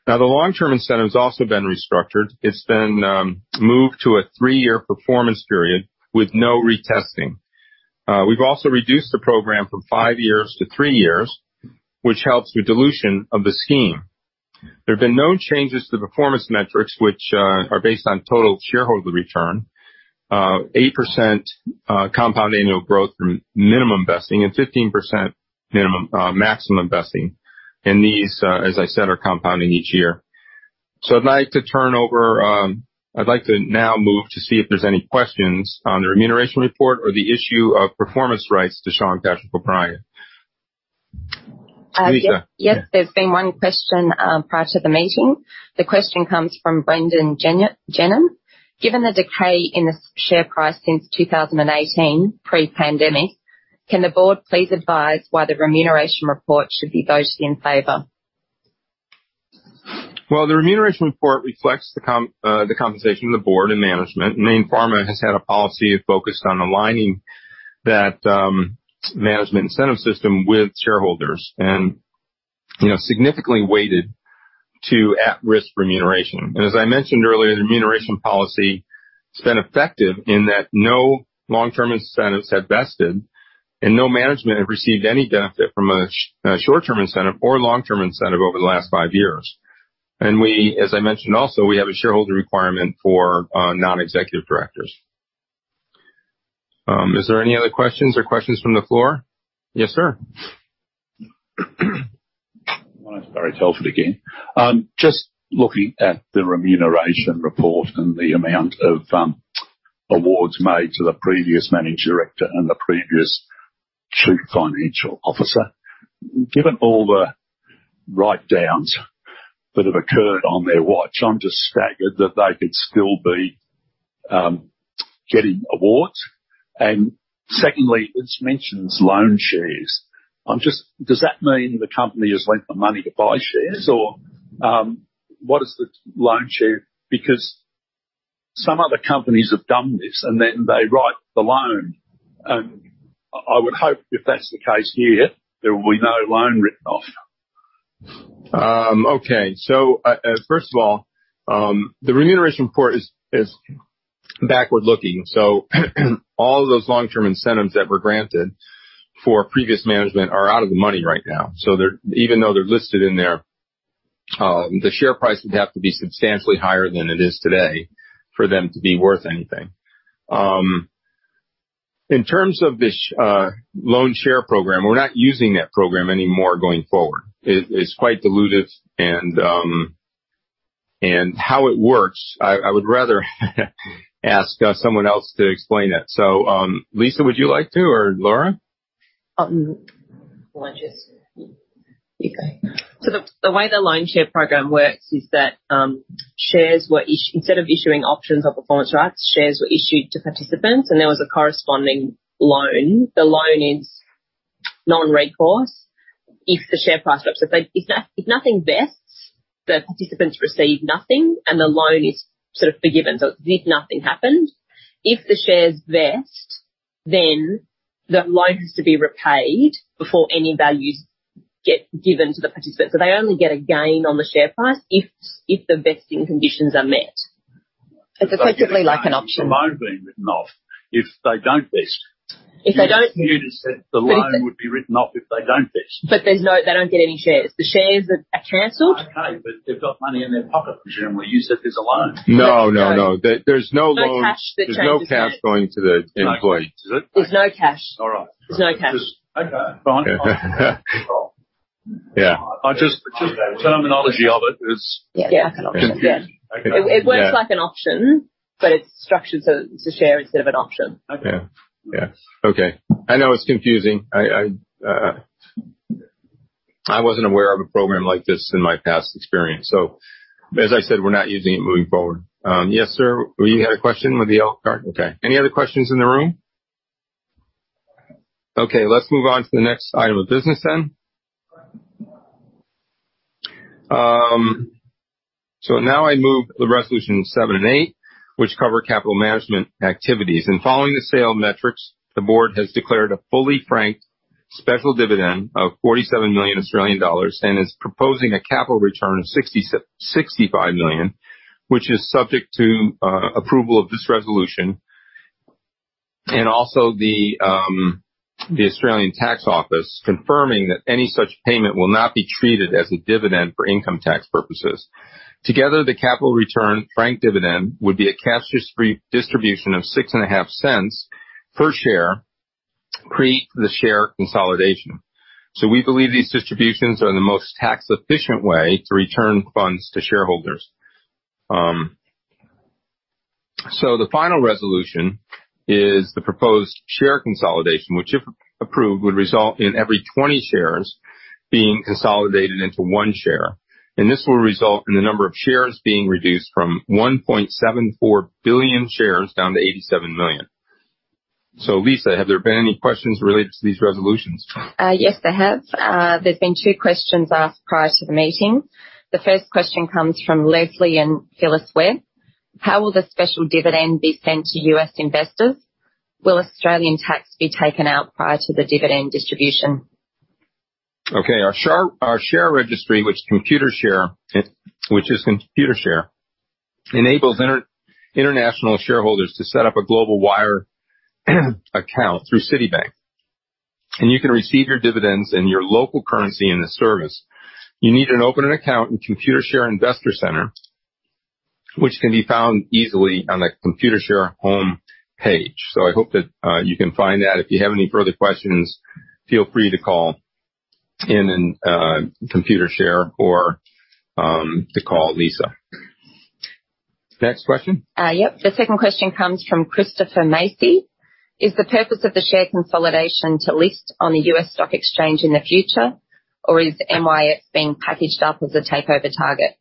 The long-term incentive's also been restructured. It's been moved to a three-year performance period with no retesting. We've also reduced the program from five years to three years, which helps with dilution of the scheme. There have been no changes to the performance metrics which are based on total shareholder return, 8% compound annual growth through minimum vesting and 15% minimum maximum vesting. These, as I said, are compounding each year. I'd like to now move to see if there's any questions on the remuneration report or the issue of performance rights to Shawn Patrick O'Brien. Lisa. Yes, there's been one question prior to the meeting. The question comes from Brendan Genam. Given the decay in the share price since 2018, pre-pandemic, can the board please advise why the remuneration report should be voted in favor? Well, the remuneration report reflects the compensation of the board and management. Mayne Pharma has had a policy focused on aligning that management incentive system with shareholders and, you know, significantly weighted to at-risk remuneration. As I mentioned earlier, the remuneration policy has been effective in that no long-term incentives have vested and no management have received any benefit from a short-term incentive or long-term incentive over the last five years. We, as I mentioned, also, we have a shareholder requirement for non-executive directors. Is there any other questions or questions from the floor? Yes, sir. Barry Telford again. Just looking at the remuneration report and the amount of awards made to the previous managing director and the previous chief financial officer. Given all the write-downs that have occurred on their watch, I'm just staggered that they could still be getting awards. Secondly, it mentions loan shares. Does that mean the company has lent the money to buy shares or what is the loan share? Because some other companies have done this, and then they write the loan. I would hope if that's the case here, there will be no loan written off. Okay. First of all, the remuneration report is backward-looking. All those long-term incentives that were granted for previous management are out of the money right now. They're even though they're listed in there, the share price would have to be substantially higher than it is today for them to be worth anything. In terms of this loan share program, we're not using that program anymore going forward. It's quite dilutive and how it works, I would rather ask someone else to explain that. Lisa, would you like to or Laura? You go. The way the loan share program works is that, instead of issuing options or performance rights, shares were issued to participants, and there was a corresponding loan. The loan is non-recourse if the share price drops. If nothing vests, the participants receive nothing and the loan is sort of forgiven. As if nothing happened. If the shares vest, then the loan has to be repaid before any values get given to the participant. They only get a gain on the share price if the vesting conditions are met. It's effectively like an option. The loan's being written off if they don't vest. If they don't vest You just said the loan would be written off if they don't vest. They don't get any shares. The shares are canceled. Okay, they've got money in their pocket, presumably. You said there's a loan. No, no. There's no loan. No cash There's no cash going to the employee. There's no cash, is it? There's no cash. All right. There's no cash. Okay, fine. Yeah. I just the terminology of it. Yeah. It's an option. Confusing. Yeah. It works like an option, but it's structured as a share instead of an option. Okay. Yeah. Okay. I know it's confusing. I wasn't aware of a program like this in my past experience. As I said, we're not using it moving forward. Yes, sir. You had a question with the. Okay. Any other questions in the room? Let's move on to the next item of business then. Now I move the resolution seven and eight, which cover capital management activities. Following the sale of Metrics, the board has declared a fully franked special dividend of 47 million Australian dollars and is proposing a capital return of 65 million, which is subject to approval of this resolution and also the Australian Tax Office, confirming that any such payment will not be treated as a dividend for income tax purposes. Together, the capital return frank dividend would be a cash distribution of six and a half cents per share, pre the share consolidation. We believe these distributions are the most tax-efficient way to return funds to shareholders. The final resolution is the proposed share consolidation, which, if approved, would result in every 20 shares being consolidated into 1 share. This will result in the number of shares being reduced from 1.74 billion shares down to 87 million. Lisa, have there been any questions related to these resolutions? Yes, there have. There's been two questions asked prior to the meeting. The first question comes from Leslie and Phyllis Webb. How will the special dividend be sent to U.S. investors? Will Australian tax be taken out prior to the dividend distribution? Okay. Our share registry, which is Computershare, enables international shareholders to set up a Global Wire account through Citibank. You can receive your dividends in your local currency in this service. You need to open an account in Computershare Investor Center, which can be found easily on the Computershare home page. I hope that you can find that. If you have any further questions, feel free to call in Computershare or to call Lisa. Next question. Yep. The second question comes from Christopher Macy. Is the purpose of the share consolidation to list on the U.S. stock exchange in the future, or is MYX being packaged up as a takeover target?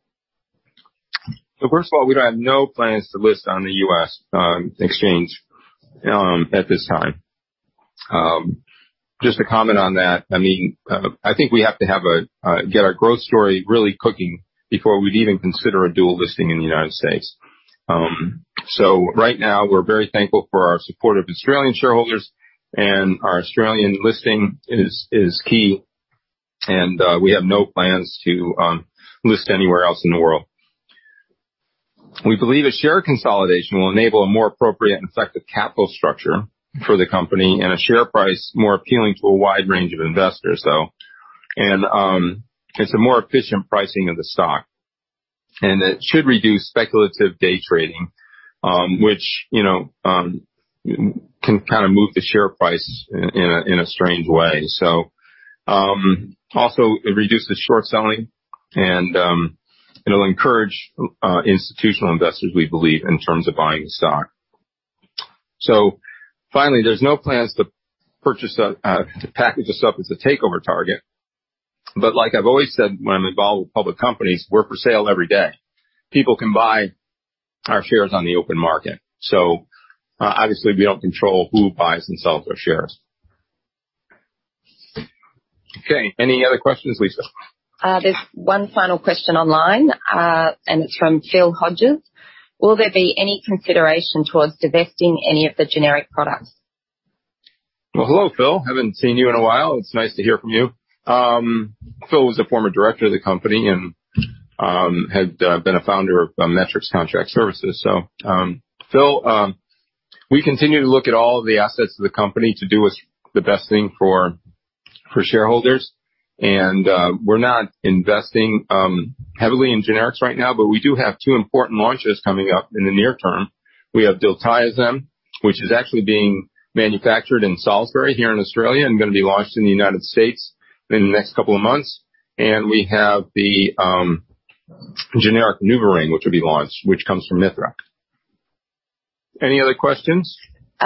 First of all, we don't have no plans to list on the U.S. exchange at this time. Just to comment on that, I mean, I think we have to get our growth story really cooking before we'd even consider a dual listing in the United States. Right now we're very thankful for our support of Australian shareholders and our Australian listing is key and we have no plans to list anywhere else in the world. We believe a share consolidation will enable a more appropriate and effective capital structure for the company and a share price more appealing to a wide range of investors. It's a more efficient pricing of the stock, and it should reduce speculative day trading, which, you know, can kinda move the share price in a, in a strange way. Also it reduces short selling and it'll encourage institutional investors, we believe, in terms of buying stock. Finally, there's no plans to purchase to package us up as a takeover target. Like I've always said, when I'm involved with public companies, we're for sale every day. People can buy our shares on the open market, so obviously we don't control who buys and sells our shares. Okay. Any other questions, Lisa? There's one final question online, it's from Phil Hodges. Will there be any consideration towards divesting any of the generic products? Well, hello, Phil. Haven't seen you in a while. It's nice to hear from you. Phil was a former director of the company and had been a founder of Metrics Contract Services. Phil, we continue to look at all the assets of the company to do what's the best thing for shareholders. We're not investing heavily in generics right now, but we do have two important launches coming up in the near term. We have Diltiazem, which is actually being manufactured in Salisbury here in Australia and gonna be launched in the United States in the next couple of months. We have the generic NUVARING, which will be launched, which comes from Mithra. Any other questions?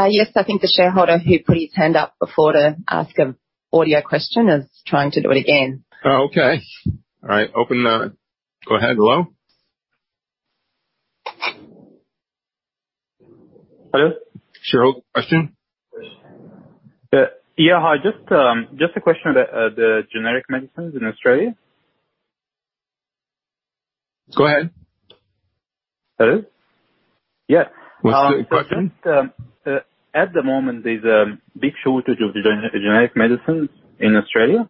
Yes. I think the shareholder who put his hand up before to ask an audio question is trying to do it again. Okay. All right. Go ahead. Hello? Hello? Shareholder question. Yeah. Hi. Just a question about the generic medicines in Australia. Go ahead. Hello? Yeah. What's the question? I think, at the moment there's a big shortage of generic medicines in Australia,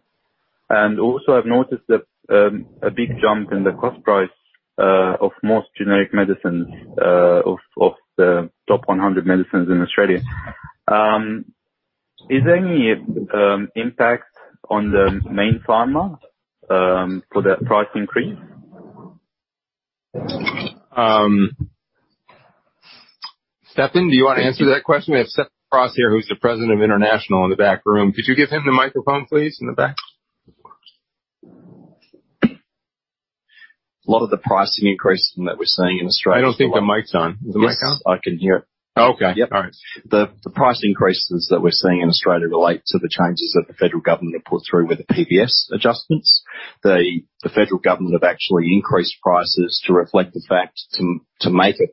and also I've noticed that, a big jump in the cost price, of most generic medicines, of the top 100 medicines in Australia. Is there any impact on the Mayne Pharma for that price increase? Stefan, do you wanna answer that question? We have Stefan Cross here, who's the President of International in the back room. Could you give him the microphone, please, in the back? A lot of the pricing increases that we're seeing in Australia. I don't think the mic's on. Is the mic on? Yes, I can hear. Okay. Yep. All right. The price increases that we're seeing in Australia relate to the changes that the federal government have put through with the PBS adjustments. The federal government have actually increased prices to reflect the fact to make it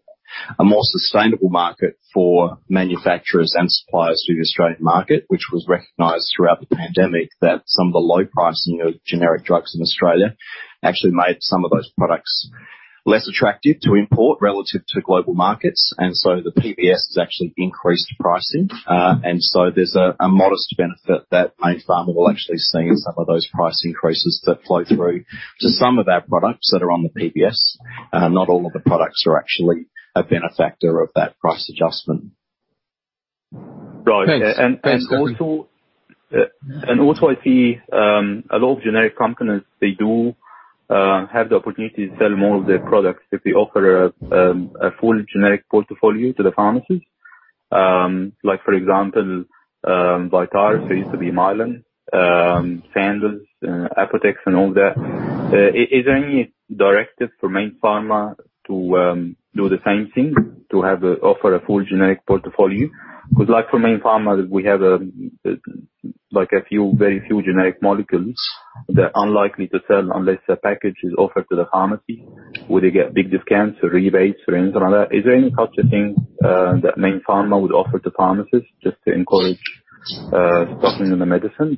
a more sustainable market for manufacturers and suppliers to the Australian market, which was recognized throughout the pandemic, that some of the low pricing of generic drugs in Australia actually made some of those products less attractive to import relative to global markets. The PBS has actually increased pricing. So there's a modest benefit that Mayne Pharma will actually see in some of those price increases that flow through to some of our products that are on the PBS. Not all of the products are actually a benefactor of that price adjustment. Right. Thanks. And also I see a lot of generic companies, they do have the opportunity to sell more of their products if they offer a full generic portfolio to the pharmacies. Like for example, Vitara, used to be Mylan, Sandoz, Apotex and all that. Is there any directive for Mayne Pharma to do the same thing, to offer a full generic portfolio? Because like for Mayne Pharma, we have like a few, very few generic molecules that are unlikely to sell unless a package is offered to the pharmacy. Would they get big discounts or rebates or anything like that? Is there any such a thing that Mayne Pharma would offer to pharmacists just to encourage stocking of the medicines?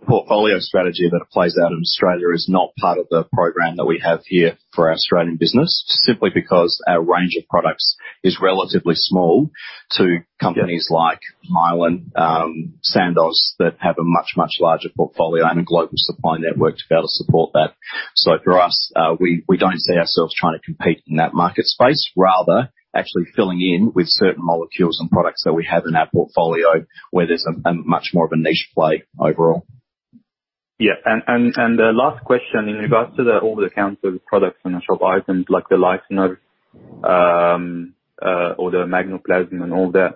The portfolio strategy that plays out in Australia is not part of the program that we have here for our Australian business, simply because our range of products is relatively small to companies like Mylan, Sandoz, that have a much, much larger portfolio and a global supply network to be able to support that. For us, we don't see ourselves trying to compete in that market space, rather actually filling in with certain molecules and products that we have in our portfolio where there's a much more of a niche play overall. Yeah. The last question in regards to the over-the-counter products and the shop items like the LICENER or the MAGNOPLASM and all that.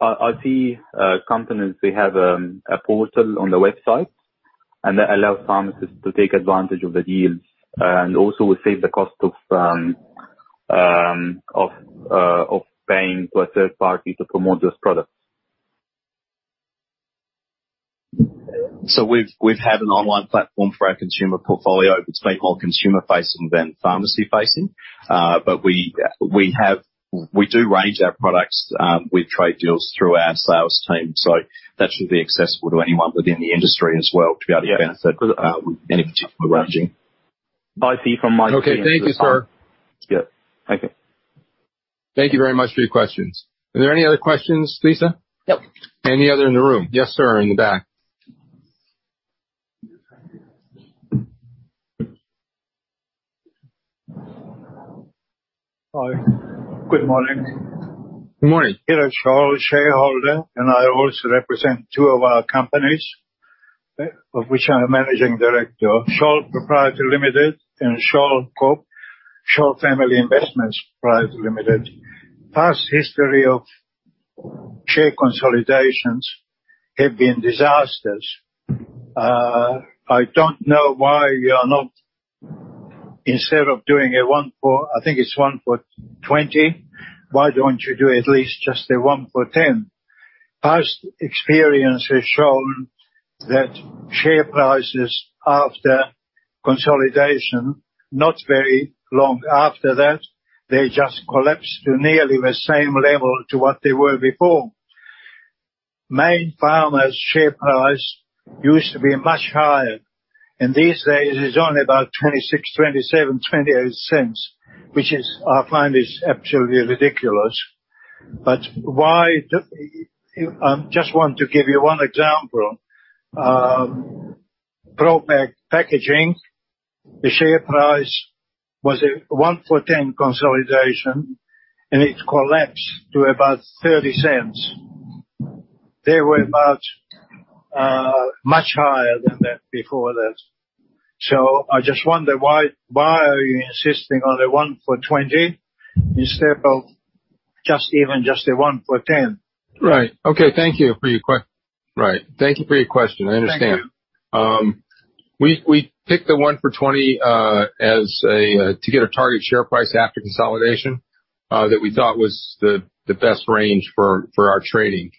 I see companies they have a portal on the website, and that allows pharmacists to take advantage of the deals and also will save the cost of paying to a third party to promote those products. We've had an online platform for our consumer portfolio. It's been more consumer-facing than pharmacy-facing. We have, We do range our products with trade deals through our sales team, so that should be accessible to anyone within the industry as well to be able to advance that with any particular ranging. I see from. Okay, thank you, sir. Yeah. Okay. Thank you very much for your questions. Are there any other questions, Lisa? Nope. Any other in the room? Yes, sir. In the back. Hi. Good morning. Good morning. Here are Scholl shareholder, I also represent two of our companies, of which I am managing director. Scholl Proprietary Limited and Scholl Corp, Scholl Family Investments Proprietary Limited. Past history of share consolidations have been disasters. I don't know why you are not, instead of doing a one for, I think it's 1 for 20, why don't you do at least just a 1 for 10? Past experience has shown that share prices after consolidation, not very long after that, they just collapsed to nearly the same level to what they were before. Mayne Pharma's share price used to be much higher, and these days it's only about 0.26, 0.27, 0.28, which is, I find is absolutely ridiculous. Why. Just want to give you one example. Pro-Pac Packaging, the share price was a 1 for 10 consolidation, and it collapsed to about 0.30. They were about much higher than that before that. I just wonder why are you insisting on a 1 for 20 instead of just even just a 1 for 10? Right. Thank you for your question. I understand. Thank you. We picked the 1 for 20 as a to get a target share price after consolidation that we thought was the best range for our trading.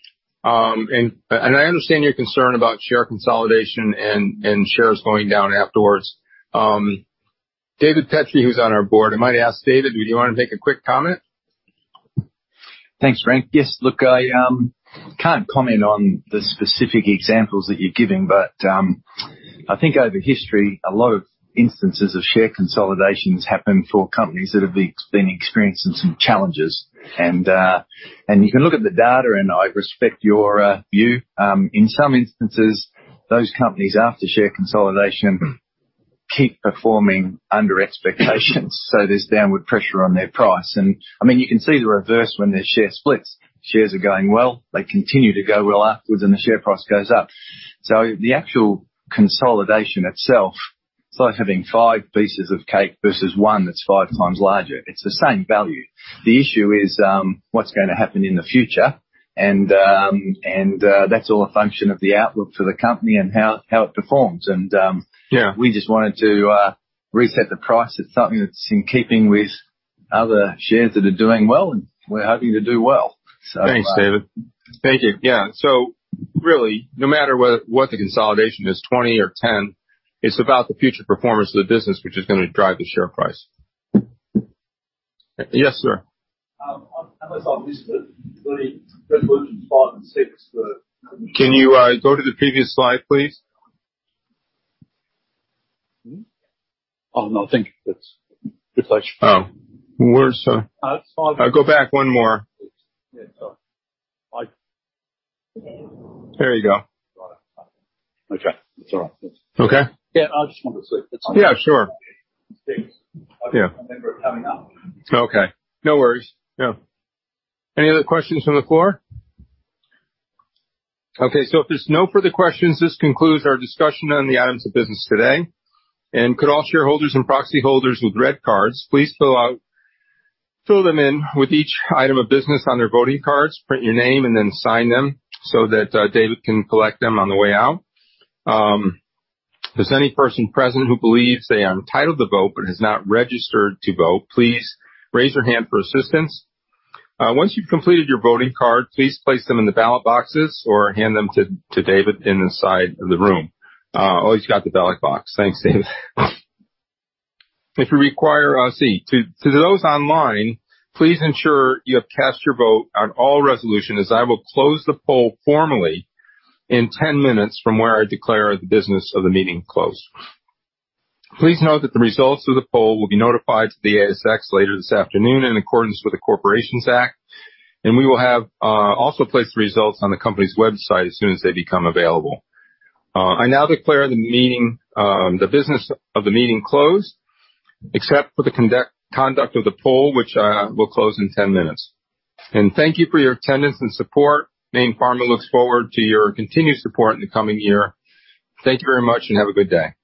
I understand your concern about share consolidation and shares going down afterwards. David Petrie, who's on our board, I might ask David, do you wanna take a quick comment? Thanks, Frank. Yes. Look, I, can't comment on the specific examples that you're giving, but, I think over history, a lot of instances of share consolidations happen for companies that have been experiencing some challenges. You can look at the data, and I respect your view. In some instances, those companies after share consolidation keep performing under expectations. There's downward pressure on their price. I mean, you can see the reverse when there's share splits. Shares are going well. They continue to go well afterwards, and the share price goes up. The actual consolidation itself, it's like having five pieces of cake versus one that's five times larger. It's the same value. The issue is, what's gonna happen in the future. That's all a function of the outlook for the company and how it performs. Yeah. We just wanted to reset the price at something that's in keeping with other shares that are doing well, and we're hoping to do well. Thanks, David. Thank you. Yeah. Really, no matter what the consolidation is, 20 or 10, it's about the future performance of the business which is gonna drive the share price. Yes, sir. I was on this, the resolution five and six. Can you go to the previous slide, please? Oh, no. Thank you. It's actually. Oh. Where's. It's five Go back one more. Yeah. It's up. There you go. Got it. Okay. Okay. Yeah. Yeah, sure. Six. Yeah. I remember it coming up. Okay, no worries. Yeah. Any other questions from the floor? If there's no further questions, this concludes our discussion on the items of business today. Could all shareholders and proxy holders with red cards please fill them in with each item of business on their voting cards, print your name, and then sign them so that David can collect them on the way out. If there's any person present who believes they are entitled to vote but is not registered to vote, please raise your hand for assistance. Once you've completed your voting card, please place them in the ballot boxes or hand them to David in the side of the room. Oh, he's got the ballot box. Thanks, David. If you require a seat. To those online, please ensure you have cast your vote on all resolutions, as I will close the poll formally in 10 minutes from where I declare the business of the meeting closed. Please note that the results of the poll will be notified to the ASX later this afternoon in accordance with the Corporations Act. We will have also placed the results on the company's website as soon as they become available. I now declare the meeting, the business of the meeting closed, except for the conduct of the poll, which will close in 10 minutes. Thank you for your attendance and support. Mayne Pharma looks forward to your continued support in the coming year. Thank you very much and have a good day.